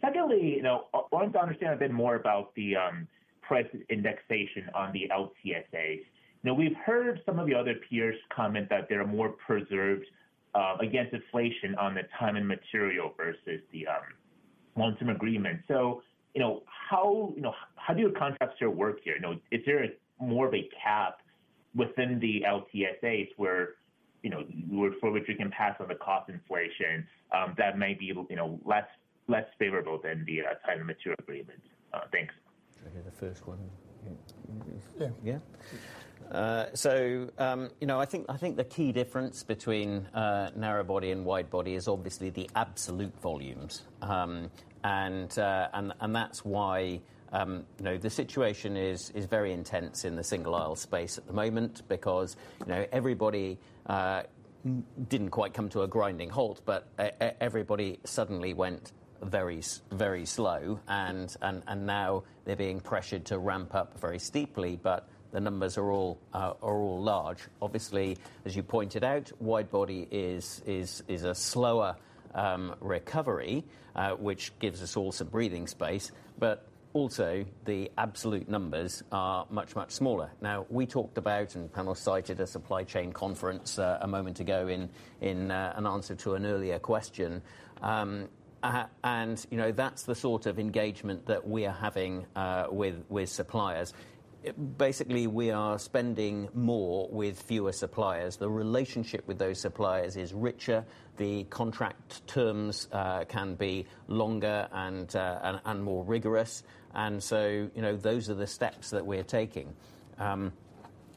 Secondly, you know, I want to understand a bit more about the price indexation on the LTSA. You know, we've heard some of your other peers comment that they're more preserved against inflation on the time and material versus the LTSA. You know, how do your contracts still work here? You know, is there more of a cap within the LTSAs where for which we can pass on the cost inflation, that may be, you know, less favorable than the outside of mature agreements? Thanks. Okay, the first one. Yeah. Yeah. So, you know, I think the key difference between narrow body and wide body is obviously the absolute volumes. And that's why, you know, the situation is very intense in the single aisle space at the moment because, you know, everybody didn't quite come to a grinding halt, but everybody suddenly went very slow and now they're being pressured to ramp up very steeply, but the numbers are all large. Obviously, as you pointed out, wide body is a slower recovery, which gives us all some breathing space. Also the absolute numbers are much smaller. Now, we talked about, and Panos cited a supply chain conference a moment ago in an answer to an earlier question. You know, that's the sort of engagement that we are having with suppliers. Basically, we are spending more with fewer suppliers. The relationship with those suppliers is richer. The contract terms can be longer and more rigorous. You know, those are the steps that we're taking.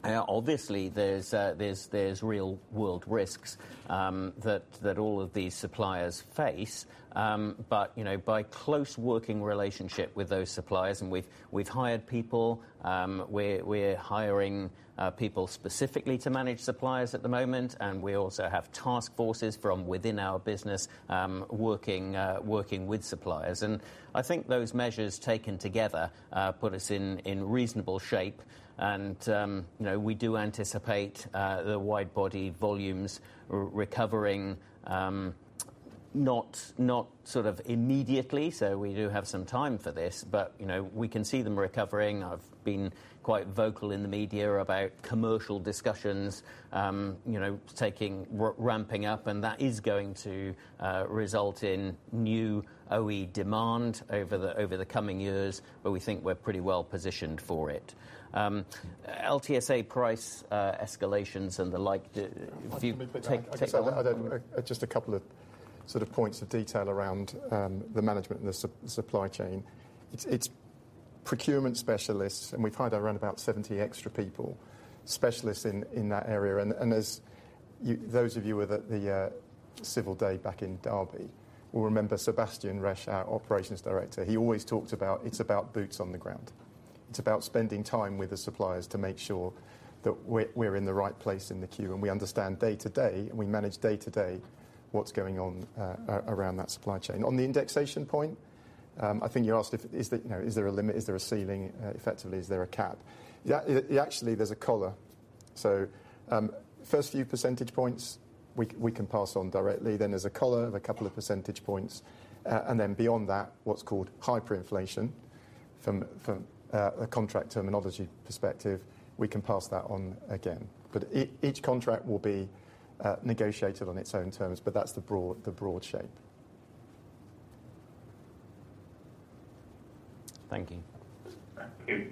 Obviously there's real world risks that all of these suppliers face. You know, by close working relationship with those suppliers and we've hired people, we're hiring people specifically to manage suppliers at the moment. We also have task forces from within our business, working with suppliers. I think those measures taken together put us in reasonable shape and, you know, we do anticipate the wide body volumes recovering, not sort of immediately, so we do have some time for this, but, you know, we can see them recovering. I've been quite vocal in the media about commercial discussions, you know, ramping up, and that is going to result in new OE demand over the coming years, but we think we're pretty well positioned for it. LTSA price escalations and the like, if you take- Just a couple of sort of points of detail around the management and the supply chain. It's procurement specialists, and we've hired around 70 extra people, specialists in that area. Those of you who were at the Civil Day back in Derby will remember Sebastian Resch, our Operations Director. He always talked about. It's about boots on the ground. It's about spending time with the suppliers to make sure that we're in the right place in the queue, and we understand day to day, and we manage day to day what's going on around that supply chain. On the indexation point, I think you asked, you know, is there a limit? Is there a ceiling? Effectively, is there a cap? Yeah, actually, there's a collar. First few percentage points we can pass on directly. There's a collar of a couple of percentage points. Beyond that, what's called hyperinflation from a contract terminology perspective. We can pass that on again. Each contract will be negotiated on its own terms, but that's the broad shape. Thank you. Thank you.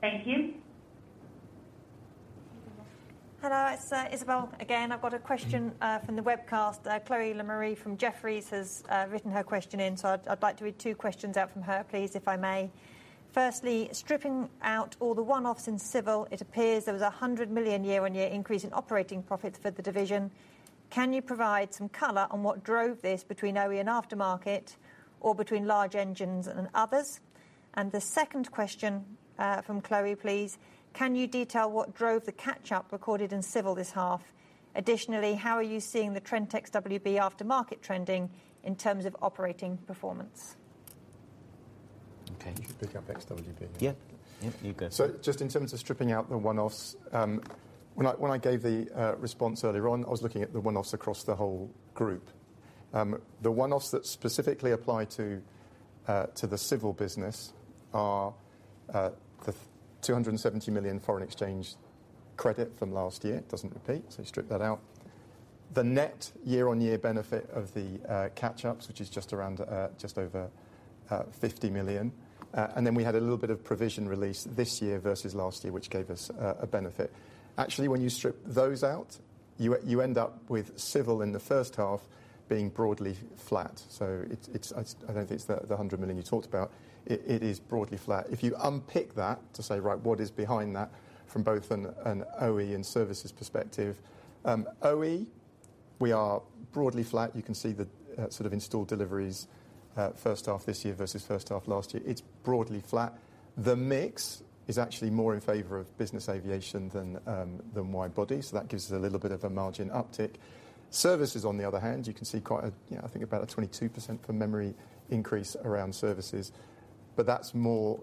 Thank you. Hello, it's Isabel again. I've got a question from the webcast. Chloé Lemarié from Jefferies has written her question in, so I'd like to read two questions out from her, please, if I may. Firstly, stripping out all the one-offs in civil, it appears there was a 100 million year-on-year increase in operating profits for the division. Can you provide some color on what drove this between OE and aftermarket or between large engines and others? The second question from Chloé, please. Can you detail what drove the catch-up recorded in civil this half? Additionally, how are you seeing the Trent XWB aftermarket trending in terms of operating performance? Okay. You should pick up XWB. Yeah. Yeah, you go. Just in terms of stripping out the one-offs, when I gave the response earlier on, I was looking at the one-offs across the whole group. The one-offs that specifically apply to the civil business are the 270 million foreign exchange credit from last year. It doesn't repeat, so you strip that out. The net year-on-year benefit of the catch-ups, which is just around just over 50 million. And then we had a little bit of provision release this year versus last year, which gave us a benefit. Actually, when you strip those out, you end up with civil in the first half being broadly flat. It's, I don't think it's the 100 million you talked about. It is broadly flat. If you unpick that to say, right, what is behind that from both an OE and services perspective. OE, we are broadly flat. You can see the sort of installed deliveries first half this year versus first half last year. It's broadly flat. The mix is actually more in favor of business aviation than wide body. So that gives us a little bit of a margin uptick. Services, on the other hand, you can see quite a, I think about a 22% from memory increase around services, but that's more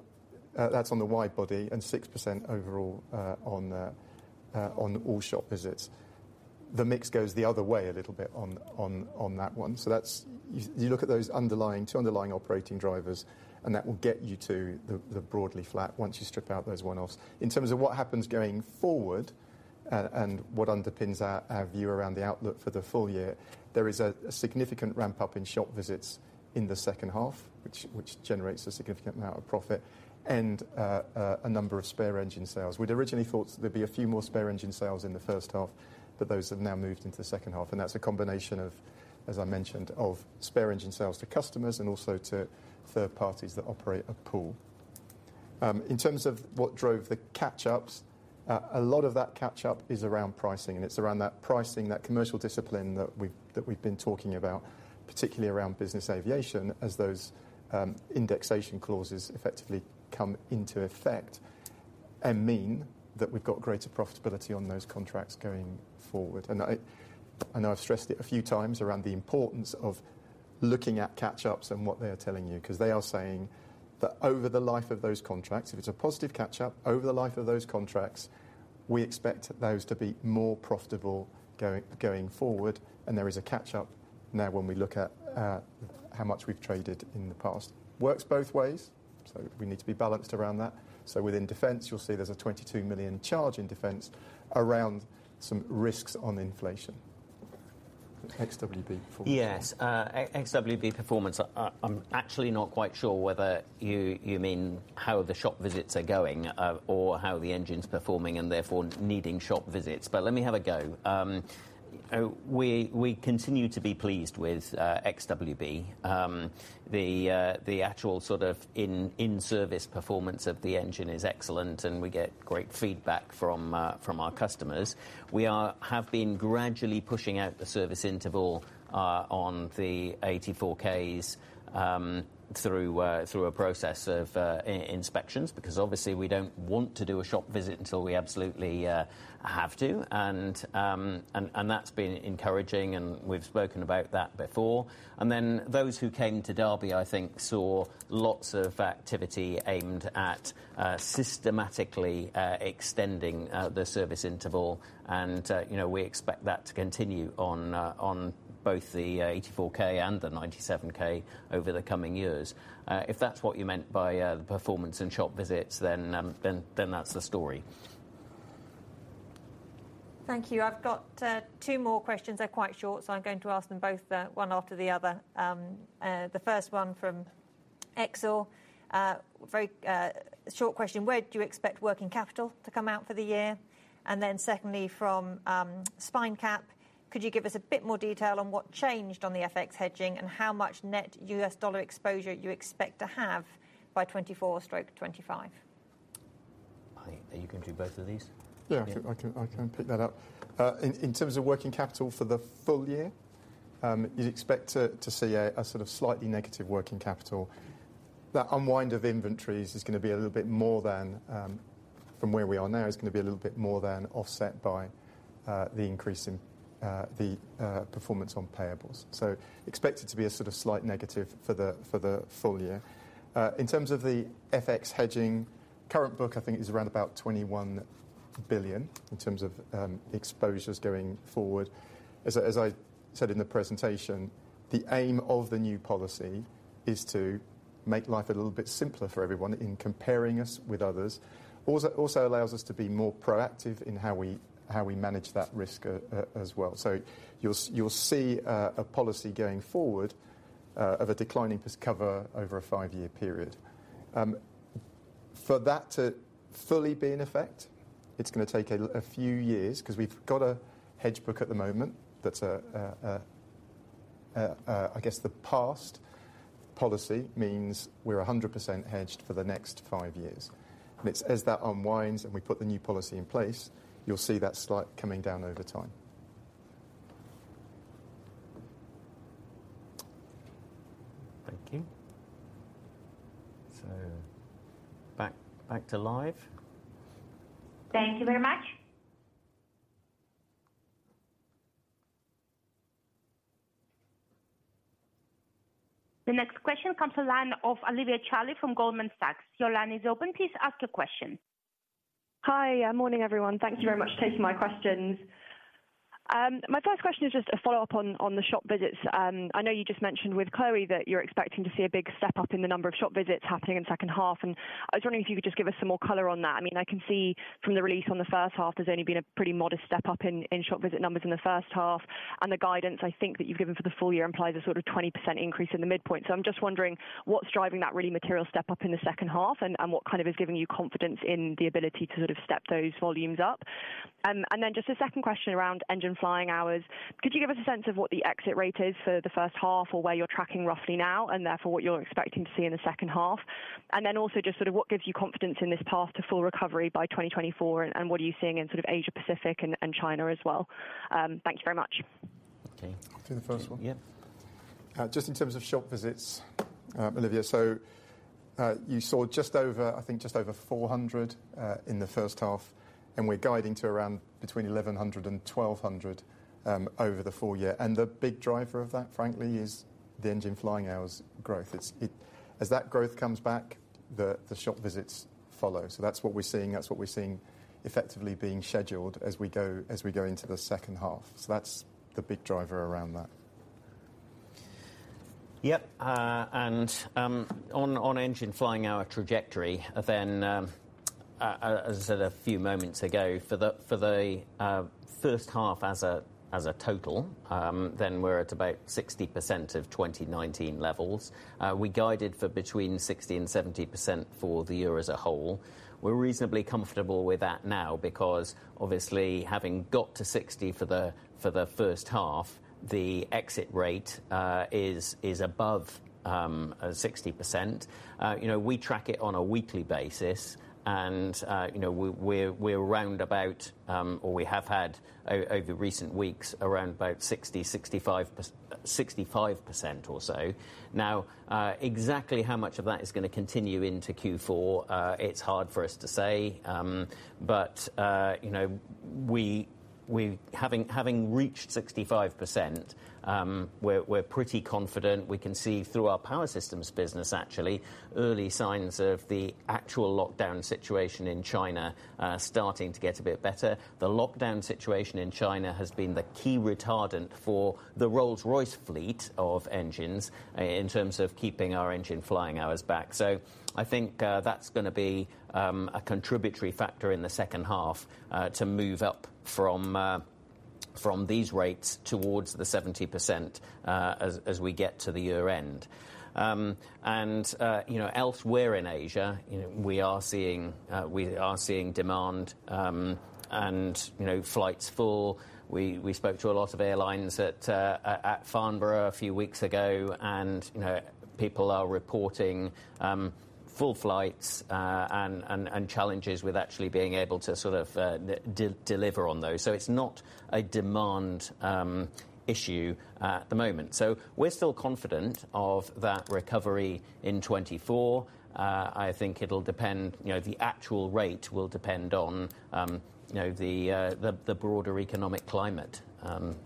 on the wide body and 6% overall on all shop visits. The mix goes the other way a little bit on that one. You look at those two underlying operating drivers and that will get you to the broadly flat once you strip out those one-offs. In terms of what happens going forward and what underpins our view around the outlook for the full year, there is a significant ramp up in shop visits in the second half, which generates a significant amount of profit and a number of spare engine sales. We'd originally thought there'd be a few more spare engine sales in the first half, but those have now moved into the second half. That's a combination of, as I mentioned, spare engine sales to customers and also to third parties that operate a pool. In terms of what drove the catch-ups, a lot of that catch up is around pricing, and it's around that pricing, that commercial discipline that we've been talking about, particularly around business aviation as those indexation clauses effectively come into effect and mean that we've got greater profitability on those contracts going forward. I know I've stressed it a few p around the importance of looking at catch-ups and what they're telling you, 'cause they are saying that over the life of those contracts, if it's a positive catch-up, over the life of those contracts, we expect those to be more profitable going forward. There is a catch-up now when we look at how much we've traded in the past. Works both ways, so we need to be balanced around that. Within defense, you'll see there's a 22 million charge in defense around some risks on inflation. XWB performance. Yes. XWB performance. I'm actually not quite sure whether you mean how the shop visits are going, or how the engine's performing and therefore needing shop visits. Let me have a go. We continue to be pleased with XWB. The actual sort of in-service performance of the engine is excellent and we get great feedback from our customers. We have been gradually pushing out the service interval on the 84 Ks through a process of in-inspections, because obviously we don't want to do a shop visit until we absolutely have to. That's been encouraging and we've spoken about that before. Those who came to Derby, I think saw lots of activity aimed at systematically extending the service interval and, you know, we expect that to continue on both the 84K and the 97K over the coming years. If that's what you meant by the performance and shop visits, then that's the story. Thank you. I've got two more questions. They're quite short, so I'm going to ask them both one after the other. The first one from Exane. Very short question, where do you expect working capital to come out for the year? And then secondly, from Spinecap, could you give us a bit more detail on what changed on the FX hedging and how much net US dollar exposure you expect to have by 2024/2025? Are you gonna do both of these? Yeah. I can pick that up. In terms of working capital for the full year, you'd expect to see a sort of slightly negative working capital. That unwind of inventories is gonna be a little bit more than from where we are now. It's gonna be a little bit more than offset by the increase in the performance on payables. Expect it to be a sort of slight negative for the full year. In terms of the FX hedging, current book I think is around $21 billion in terms of the exposures going forward. As I said in the presentation, the aim of the new policy is to make life a little bit simpler for everyone in comparing us with others. Allows us to be more proactive in how we manage that risk as well. You'll see a policy going forward of a declining cover over a five-year period. For that to fully be in effect, it's gonna take a few years 'cause we've got a hedge book at the moment that I guess the past policy means we're 100% hedged for the next five years. As that unwinds and we put the new policy in place, you'll see that slide coming down over time. Thank you. Back to live. Thank you very much. The next question comes to line of Olivia Charley from Goldman Sachs. Your line is open. Please ask your question. Hi. Morning everyone. Thanks very much for taking my questions. My first question is just a follow-up on the shop visits. I know you just mentioned with Chloé that you're expecting to see a big step up in the number of shop visits happening in second half, and I was wondering if you could just give us some more color on that. I mean, I can see from the release on the first half, there's only been a pretty modest step up in shop visit numbers in the first half. The guidance, I think that you've given for the full year implies a sort of 20% increase in the midpoint. I'm just wondering what's driving that really material step up in the second half and what kind of is giving you confidence in the ability to sort of step those volumes up? Then just a second question around engine flying hours. Could you give us a sense of what the exit rate is for the first half, or where you're tracking roughly now and therefore what you're expecting to see in the second half? Then also just sort of what gives you confidence in this path to full recovery by 2024, and what are you seeing in sort of Asia Pacific and China as well? Thank you very much. Okay. I'll do the first one. Yeah. Just in terms of shop visits, Olivia, you saw just over, I think just over 400 in the first half, and we're guiding to around between 1,100 and 1,200 over the full year. The big driver of that frankly is the engine flying hours growth. As that growth comes back, the shop visits follow. That's what we're seeing effectively being scheduled as we go into the second half. That's the big driver around that. Yep. On engine flying hour trajectory then, as I said a few moments ago, for the first half as a total, then we're at about 60% of 2019 levels. We guided for between 60% and 70% for the year as a whole. We're reasonably comfortable with that now because obviously having got to 60% for the first half, the exit rate is above 60%. You know, we track it on a weekly basis and, you know, we're round about, or we have had over recent weeks, around about 60, 65% or so. Now, exactly how much of that is gonna continue into Q4, it's hard for us to say. You know, having reached 65%, we're pretty confident. We can see through our Power Systems business actually early signs of the lockdown situation in China starting to get a bit better. The lockdown situation in China has been the key deterrent for the Rolls-Royce fleet of engines in terms of keeping our engine flying hours back. I think that's gonna be a contributory factor in the second half to move up from these rates towards the 70% as we get to the year end. You know, elsewhere in Asia, you know, we are seeing demand and, you know, flights full. We spoke to a lot of airlines at Farnborough a few weeks ago and, you know, people are reporting full flights and challenges with actually being able to sort of deliver on those. It's not a demand issue at the moment. We're still confident of that recovery in 2024. I think it'll depend, you know, the actual rate will depend on, you know, the broader economic climate.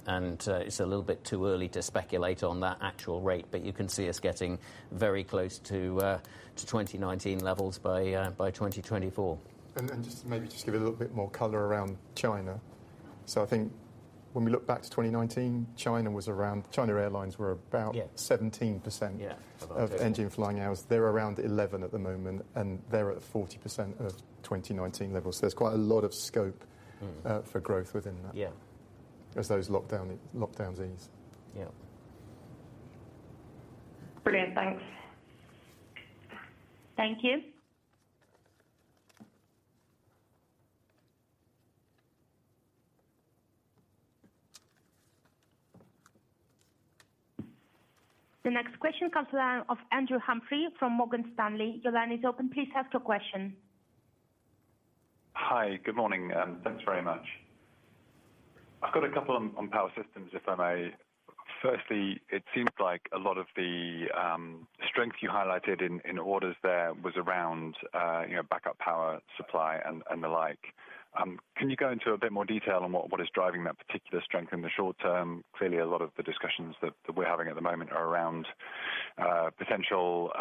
It's a little bit too early to speculate on that actual rate, but you can see us getting very close to 2019 levels by 2024. Just maybe give a little bit more color around China. I think when we look back to 2019, China was around. China airlines were about Yeah 17%- Yeah ...of engine flying hours. They're around 11 at the moment, and they're at 40% of 2019 levels. There's quite a lot of scope. Mm. For growth within that. Yeah As those lockdowns ease. Yeah. Brilliant. Thanks. Thank you. The next question comes from Andrew Humphrey from Morgan Stanley. Your line is open. Please ask your question. Hi. Good morning, and thanks very much. I've got a couple on power systems, if I may. Firstly, it seems like a lot of the strength you highlighted in orders there was around you know backup power supply and the like. Can you go into a bit more detail on what is driving that particular strength in the short term? Clearly a lot of the discussions that we're having at the moment are around potential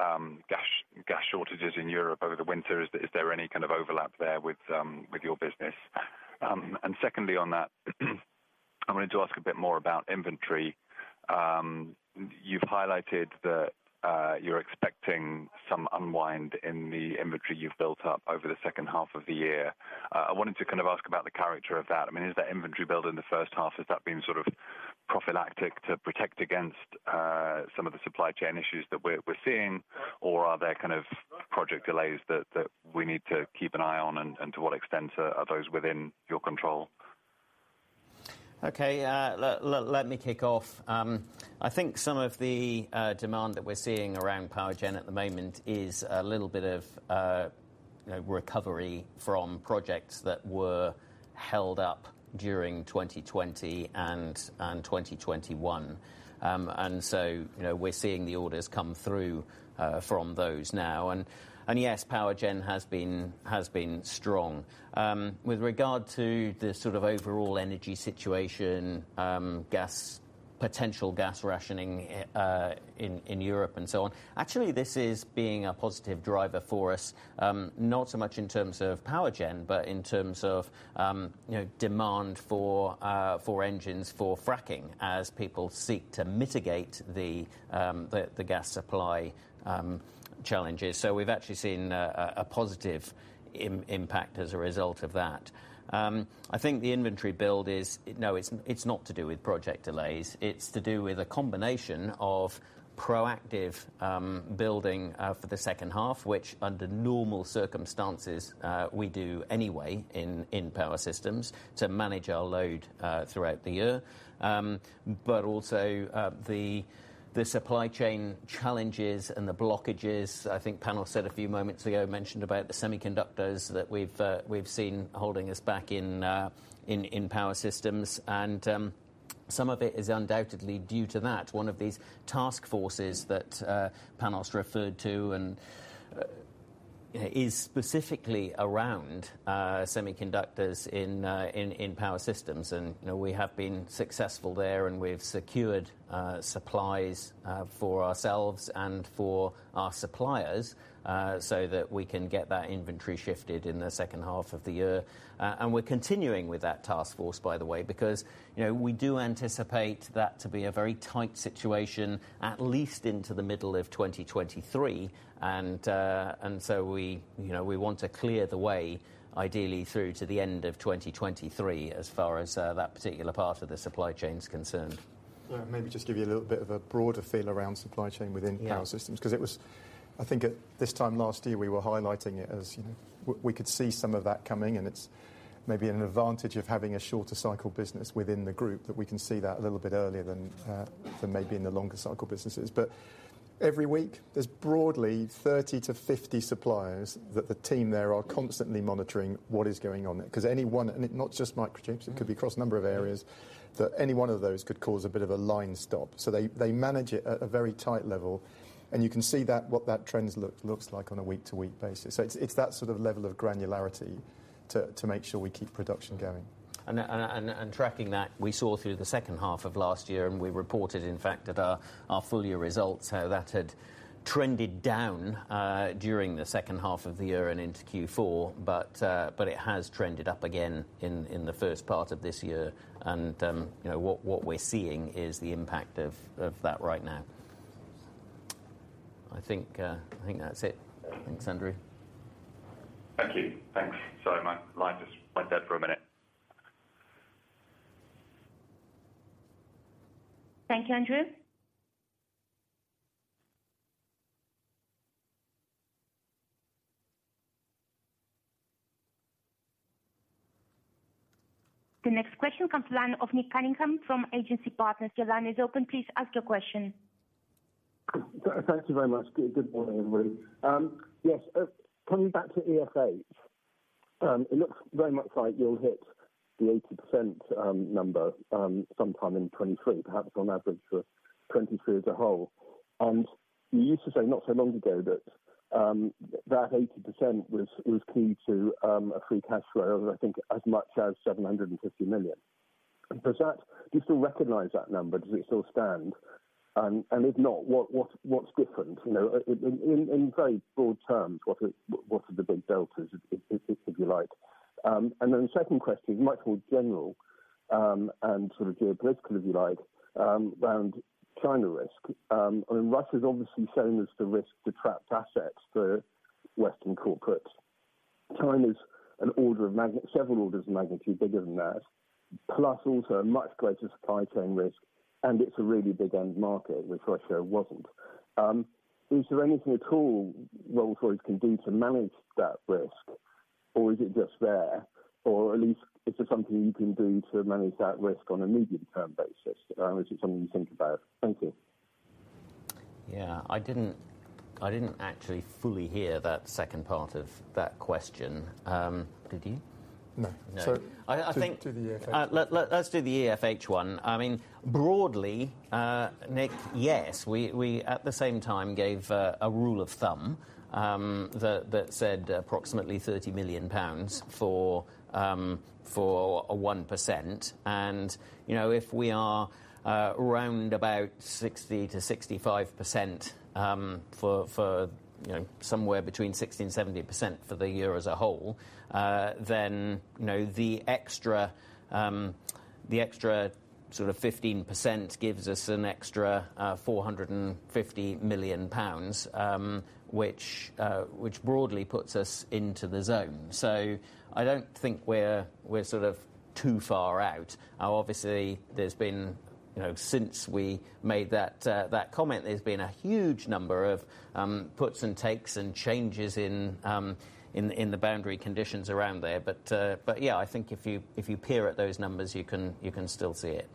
gas shortages in Europe over the winter. Is there any kind of overlap there with your business? Secondly on that, I wanted to ask a bit more about inventory. You've highlighted that you're expecting some unwind in the inventory you've built up over the second half of the year. I wanted to kind of ask about the character of that. I mean, is that inventory build in the first half, has that been sort of prophylactic to protect against some of the supply chain issues that we're seeing? Or are there kind of project delays that we need to keep an eye on? To what extent are those within your control? Okay. Let me kick off. I think some of the demand that we're seeing around power gen at the moment is a little bit of, you know, recovery from projects that were held up during 2020 and 2021. You know, we're seeing the orders come through from those now. Yes, power gen has been strong. With regard to the sort of overall energy situation, gas potential gas rationing in Europe and so on, actually this is being a positive driver for us, not so much in terms of power gen, but in terms of, you know, demand for engines for fracking as people seek to mitigate the gas supply challenges. We've actually seen a positive impact as a result of that. I think the inventory build. No, it's not to do with project delays. It's to do with a combination of proactive building for the second half, which under normal circumstances we do anyway in Power Systems to manage our load throughout the year. But also, the supply chain challenges and the blockages. I think Panos said a few moments ago, mentioned about the semiconductors that we've seen holding us back in Power Systems. Some of it is undoubtedly due to that. One of these task forces that Panos referred to and is specifically around semiconductors in Power Systems and you know we have been successful there and we've secured supplies for ourselves and for our suppliers so that we can get that inventory shifted in the second half of the year. We're continuing with that task force, by the way, because you know we do anticipate that to be a very tight situation, at least into the middle of 2023. We want to clear the way ideally through to the end of 2023 as far as that particular part of the supply chain is concerned. Yeah. Maybe just give you a little bit of a broader feel around supply chain within. Yeah Power Systems, 'cause it was. I think at this time last year, we were highlighting it as, you know, we could see some of that coming, and it's maybe an advantage of having a shorter cycle business within the group that we can see that a little bit earlier than maybe in the longer cycle businesses. Every week, there's broadly 30-50 suppliers that the team there are constantly monitoring what is going on there. 'Cause any one, and not just microchips, it could be across a number of areas, that any one of those could cause a bit of a line stop. So they manage it at a very tight level, and you can see that, what that trends looks like on a week-to-week basis. So it's that sort of level of granularity to make sure we keep production going. Tracking that, we saw through the second half of last year, and we reported, in fact, at our full year results how that had trended down during the second half of the year and into Q4. It has trended up again in the first part of this year. You know, what we're seeing is the impact of that right now. I think that's it. Thanks, Andrew. Thank you. Thanks. Sorry my line just went dead for a minute. Thank you, Andrew. The next question comes from the line of Nick Cunningham from Agency Partners. Your line is open. Please ask your question. Thank you very much. Good morning, everybody. Yes, coming back to EFH, it looks very much like you'll hit the 80% number sometime in 2023, perhaps on average for 2023 as a whole. You used to say not so long ago that that 80% was key to a free cash flow of, I think as much as 750 million. Do you still recognize that number? Does it still stand? If not, what's different? You know, in very broad terms, what are the big deltas, if you like? Second question might be more general and sort of geopolitical, if you like, around China risk. I mean, Russia's obviously shown us the risk to trapped assets for Western corporates. China's several orders of magnitude bigger than that, plus also a much greater supply chain risk, and it's a really big end market, which Russia wasn't. Is there anything at all Rolls-Royce can do to manage that risk? Or is it just there? Or at least is there something you can do to manage that risk on a medium term basis? Is it something you think about? Thank you. Yeah. I didn't actually fully hear that second part of that question. Did you? No. No. To the EFH one. I think, let's do the EFH one. I mean, broadly, Nick, yes. We at the same time gave a rule of thumb that said approximately 30 million pounds for 1%. You know, if we are around about 60%-65%, for you know, somewhere between 60% and 70% for the year as a whole, then, you know, the extra sort of 15% gives us an extra 450 million pounds, which broadly puts us into the zone. I don't think we're sort of too far out. Now, obviously, there's been, you know, since we made that comment, there's been a huge number of puts and takes and changes in the boundary conditions around there. Yeah, I think if you peer at those numbers, you can still see it.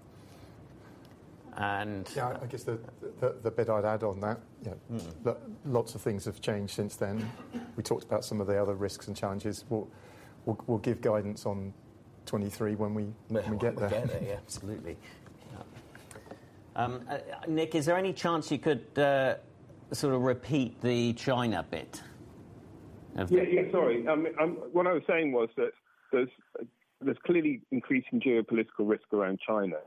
Yeah, I guess the bit I'd add on that, you know. Mm-hmm Lots of things have changed since then. We talked about some of the other risks and challenges. We'll give guidance on 2023 when we get there. When we get there, yeah. Absolutely. Nick, is there any chance you could sort of repeat the China bit of the- Yeah, sorry. What I was saying was that there's clearly increasing geopolitical risk around China,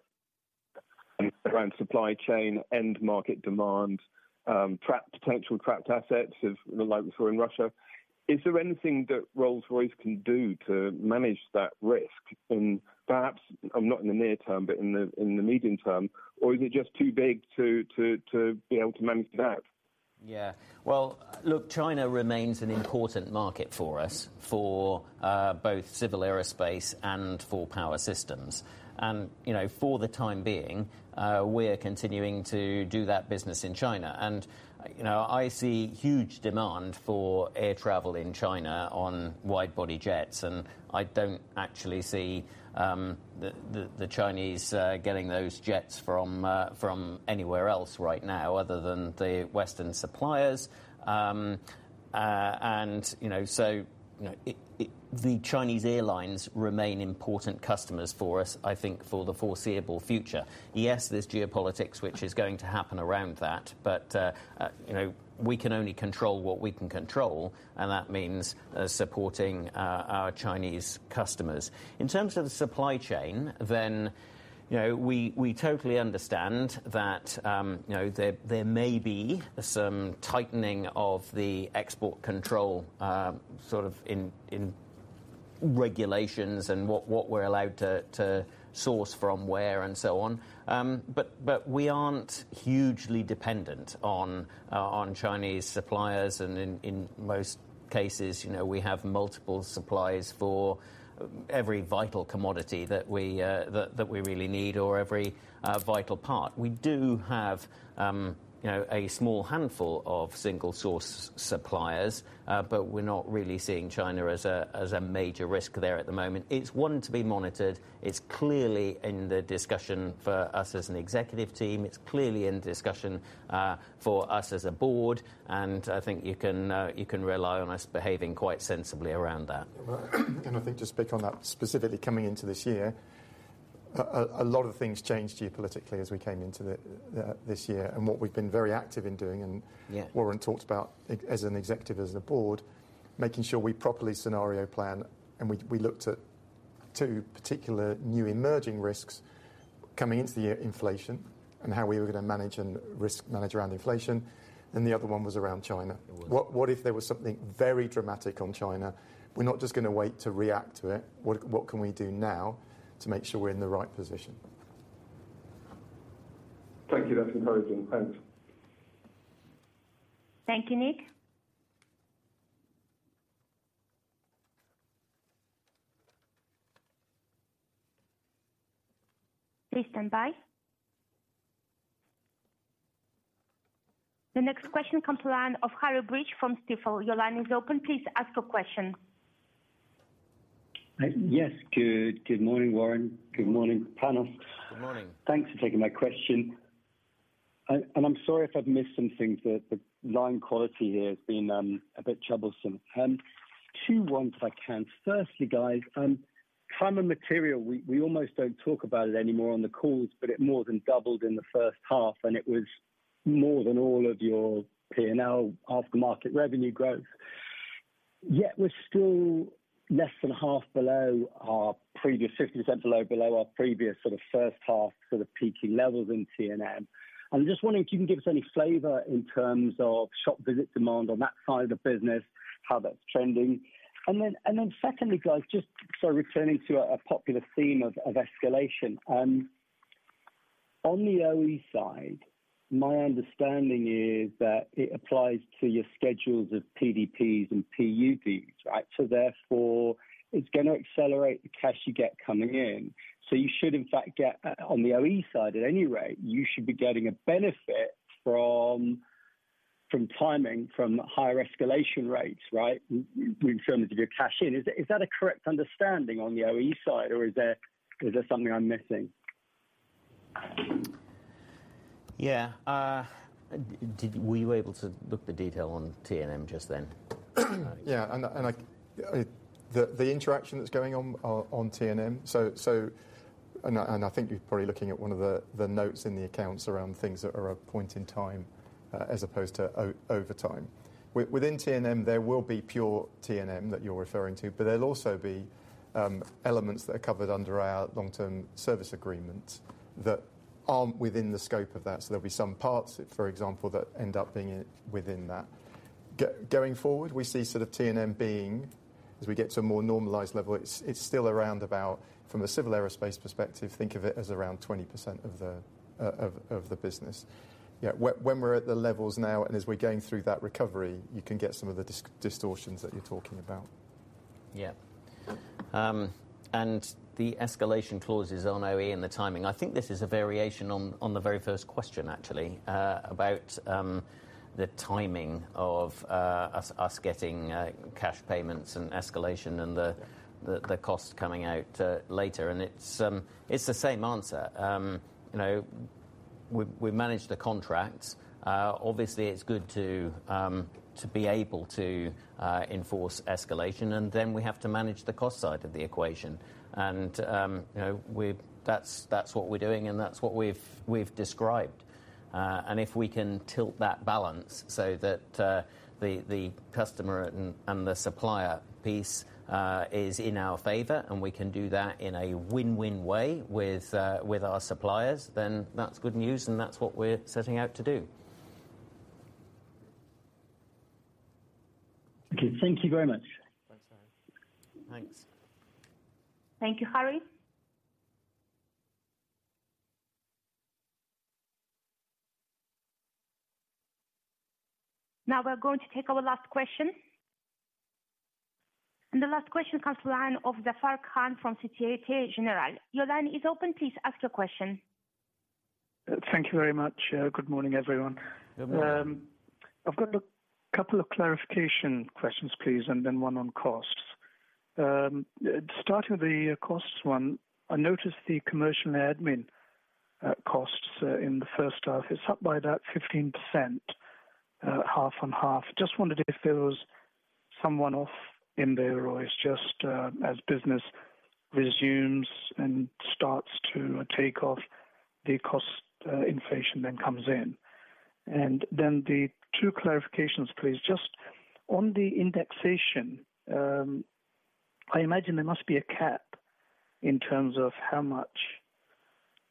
around supply chain, end market demand, potential trapped assets like we saw in Russia. Is there anything that Rolls-Royce can do to manage that risk in perhaps not in the near term, but in the medium term? Or is it just too big to be able to manage that? Yeah. Well, look, China remains an important market for us for both Civil Aerospace and for Power Systems. You know, for the time being, we're continuing to do that business in China. You know, I see huge demand for air travel in China on wide body jets, and I don't actually see the Chinese getting those jets from anywhere else right now other than the Western suppliers. You know, so the Chinese airlines remain important customers for us, I think, for the foreseeable future. Yes, there's geopolitics which is going to happen around that, but you know, we can only control what we can control, and that means supporting our Chinese customers. In terms of the supply chain, you know, we totally understand that, you know, there may be some tightening of the export control, sort of in regulations and what we're allowed to source from where and so on. But we aren't hugely dependent on Chinese suppliers and in most cases, you know, we have multiple suppliers for every vital commodity that we really need or every vital part. We do have, you know, a small handful of single source suppliers, but we're not really seeing China as a major risk there at the moment. It's one to be monitored. It's clearly in the discussion for us as an executive team.It's clearly in discussion, for us as a board, and I think you can rely on us behaving quite sensibly around that. Well, I think to speak on that specifically coming into this year, a lot of things changed geopolitically as we came into this year. What we've been very active in doing and Yeah. Warren talked about as an executive, as a board, making sure we properly scenario plan. We looked at two particular new emerging risks coming into the year, inflation and how we were gonna manage and risk manage around inflation, then the other one was around China. It was. What if there was something very dramatic on China? We're not just gonna wait to react to it. What can we do now to make sure we're in the right position? Thank you. That's encouraging. Thanks. Thank you, Nick. Please stand by. The next question comes from the line of Harry Breach from Stifel. Your line is open. Please ask your question. Yes. Good morning, Warren. Good morning, panos. Good morning. Thanks for taking my question. I'm sorry if I've missed something, the line quality here has been a bit troublesome. Two questions I have. Firstly, guys, time and material, we almost don't talk about it anymore on the calls, but it more than doubled in the first half, and it was more than all of your P&L aftermarket revenue growth. Yet we're still less than half below our previous 50% below our previous sort of first half sort of peaking levels in T&M. I'm just wondering if you can give us any flavor in terms of shop visit demand on that side of the business, how that's trending. Secondly, guys, just sort of returning to a popular theme of escalation. On the OE side, my understanding is that it applies to your schedules of PDPs and PUPs, right? So therefore, it's gonna accelerate the cash you get coming in. So you should, in fact, get on the OE side at any rate, you should be getting a benefit from timing from higher escalation rates, right? We've shown it if you cash in. Is that a correct understanding on the OE side, or is there something I'm missing? Were you able to look the detail on T&M just then? I think you're probably looking at one of the notes in the accounts around things that are a point in time as opposed to over time. Within T&M, there will be pure T&M that you're referring to, but there'll also be elements that are covered under our long-term service agreement that aren't within the scope of that. There'll be some parts, for example, that end up being within that. Going forward, we see T&M being, as we get to a more normalized level, it's still around, from a Civil Aerospace perspective, think of it as around 20% of the business. When we're at the levels now and as we're going through that recovery, you can get some of the distortions that you're talking about. Yeah. And the escalation clauses on OE and the timing, I think this is a variation on the very first question, actually, about the timing of us getting cash payments and escalation and the cost coming out later. It's the same answer. You know, we manage the contracts. Obviously it's good to be able to enforce escalation, and then we have to manage the cost side of the equation. You know, that's what we're doing, and that's what we've described. If we can tilt that balance so that the customer and the supplier piece is in our favor and we can do that in a win-win way with our suppliers, then that's good news, and that's what we're setting out to do. Okay. Thank you very much. Thanks, Harry. Thanks. Thank you, Harry. Now we're going to take our last question. The last question comes to the line of Zafar Khan from Citi. Your line is open. Please ask your question. Thank you very much. Good morning, everyone. Good morning. I've got a couple of clarification questions, please, and then one on costs. Starting with the costs one, I noticed the commercial admin costs in the first half is up by about 15%, half-on-half. Just wondered if there was something off in there, or it's just, as business resumes and starts to take off, the cost inflation then comes in. Then the two clarifications, please. Just on the indexation, I imagine there must be a cap in terms of how much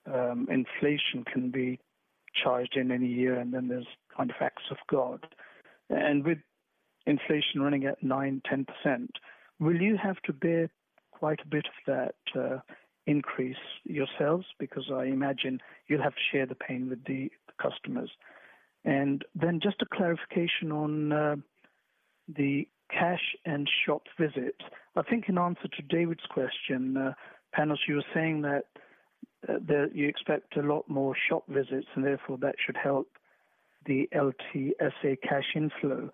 inflation can be charged in any year, and then there's kind of acts of God. With inflation running at 9%-10%, will you have to bear quite a bit of that increase yourselves? Because I imagine you'll have to share the pain with the customers. Just a clarification on the cash and shop visit. I think in answer to David's question, Panos, you were saying that you expect a lot more shop visits and therefore that should help the LTSA cash inflow.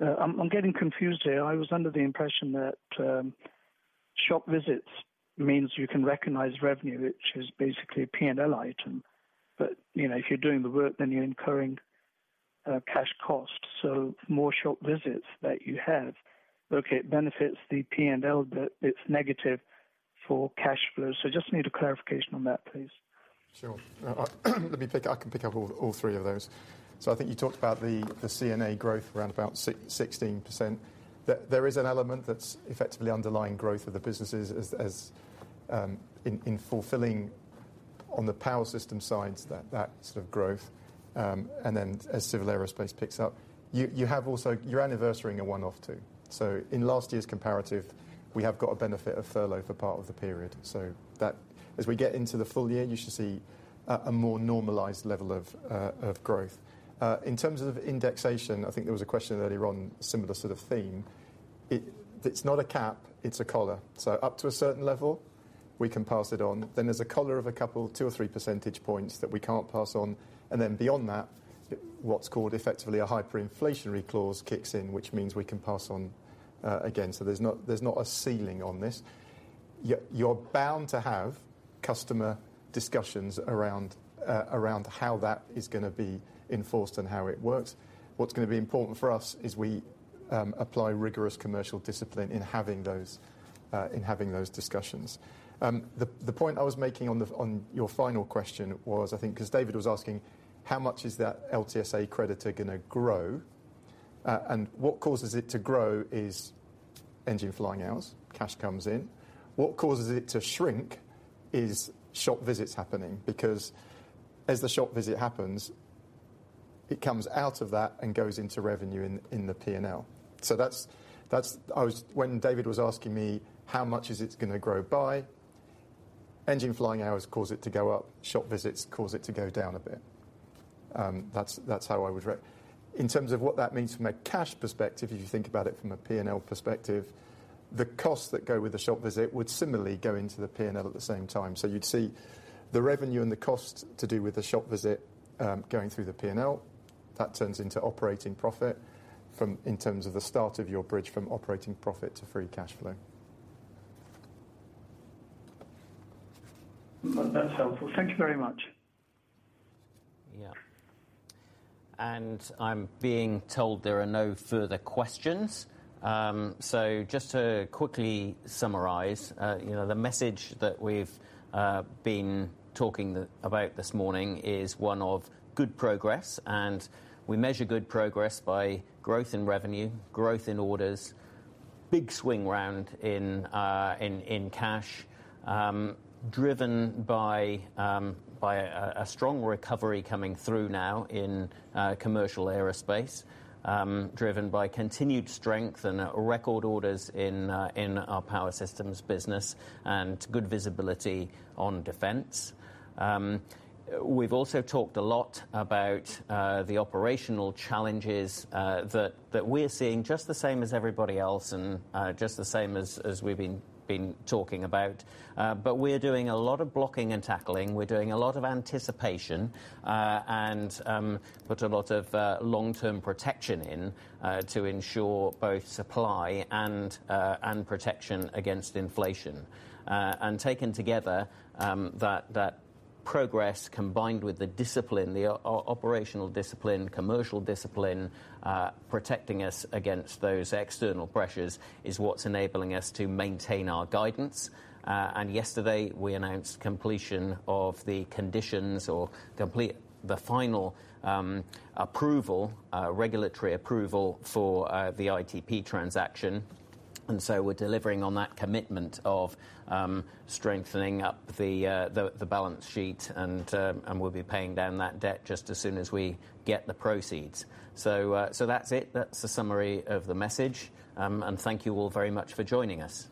I'm getting confused here. I was under the impression that shop visits means you can recognize revenue, which is basically a P&L item. You know, if you're doing the work, then you're incurring cash costs. More shop visits that you have, okay, it benefits the P&L, but it's negative for cash flow. Just need a clarification on that, please. I can pick up all three of those. I think you talked about the CNA growth around 16%. There is an element that's effectively underlying growth of the businesses in fulfilling on the Power Systems sides, that sort of growth. Then as Civil Aerospace picks up. You have also. You're anniversarying a one-off too. In last year's comparative, we have got a benefit of furlough for part of the period. That, as we get into the full year, you should see a more normalized level of growth. In terms of indexation, I think there was a question earlier on similar sort of theme. It's not a cap, it's a collar. Up to a certain level, we can pass it on. There's a collar of a couple, two or three percentage points that we can't pass on. Then beyond that, what's called effectively a hyperinflationary clause kicks in, which means we can pass on again. There's not a ceiling on this. You're bound to have customer discussions around how that is gonna be enforced and how it works. What's gonna be important for us is we apply rigorous commercial discipline in having those discussions. The point I was making on your final question was, I think, 'cause David was asking, how much is that LTSA creditor gonna grow? What causes it to grow is engine flying hours, cash comes in. What causes it to shrink is shop visits happening. Because as the shop visit happens, it comes out of that and goes into revenue in the P&L. That's. When David was asking me, how much is it gonna grow by? Engine flying hours cause it to go up. Shop visits cause it to go down a bit. That's how I would. In terms of what that means from a cash perspective, if you think about it from a P&L perspective, the costs that go with the shop visit would similarly go into the P&L at the same time. You'd see the revenue and the cost to do with the shop visit going through the P&L. That turns into operating profit, in terms of the start of your bridge, from operating profit to free cash flow. Well, that's helpful. Thank you very much. Yeah. I'm being told there are no further questions. Just to quickly summarize, you know, the message that we've been talking about this morning is one of good progress, and we measure good progress by growth in revenue, growth in orders, big swing round in cash, driven by a strong recovery coming through now in commercial aerospace, driven by continued strength and record orders in our power systems business and good visibility on defense. We've also talked a lot about the operational challenges that we're seeing just the same as everybody else and just the same as we've been talking about. We're doing a lot of blocking and tackling. We're doing a lot of anticipation and put a lot of long-term protection in to ensure both supply and protection against inflation. Taken together, that progress combined with the discipline, the operational discipline, commercial discipline, protecting us against those external pressures is what's enabling us to maintain our guidance. Yesterday we announced completion of the conditions for the final regulatory approval for the ITP transaction. We're delivering on that commitment of strengthening up the balance sheet and we'll be paying down that debt just as soon as we get the proceeds. That's it. That's the summary of the message. Thank you all very much for joining us.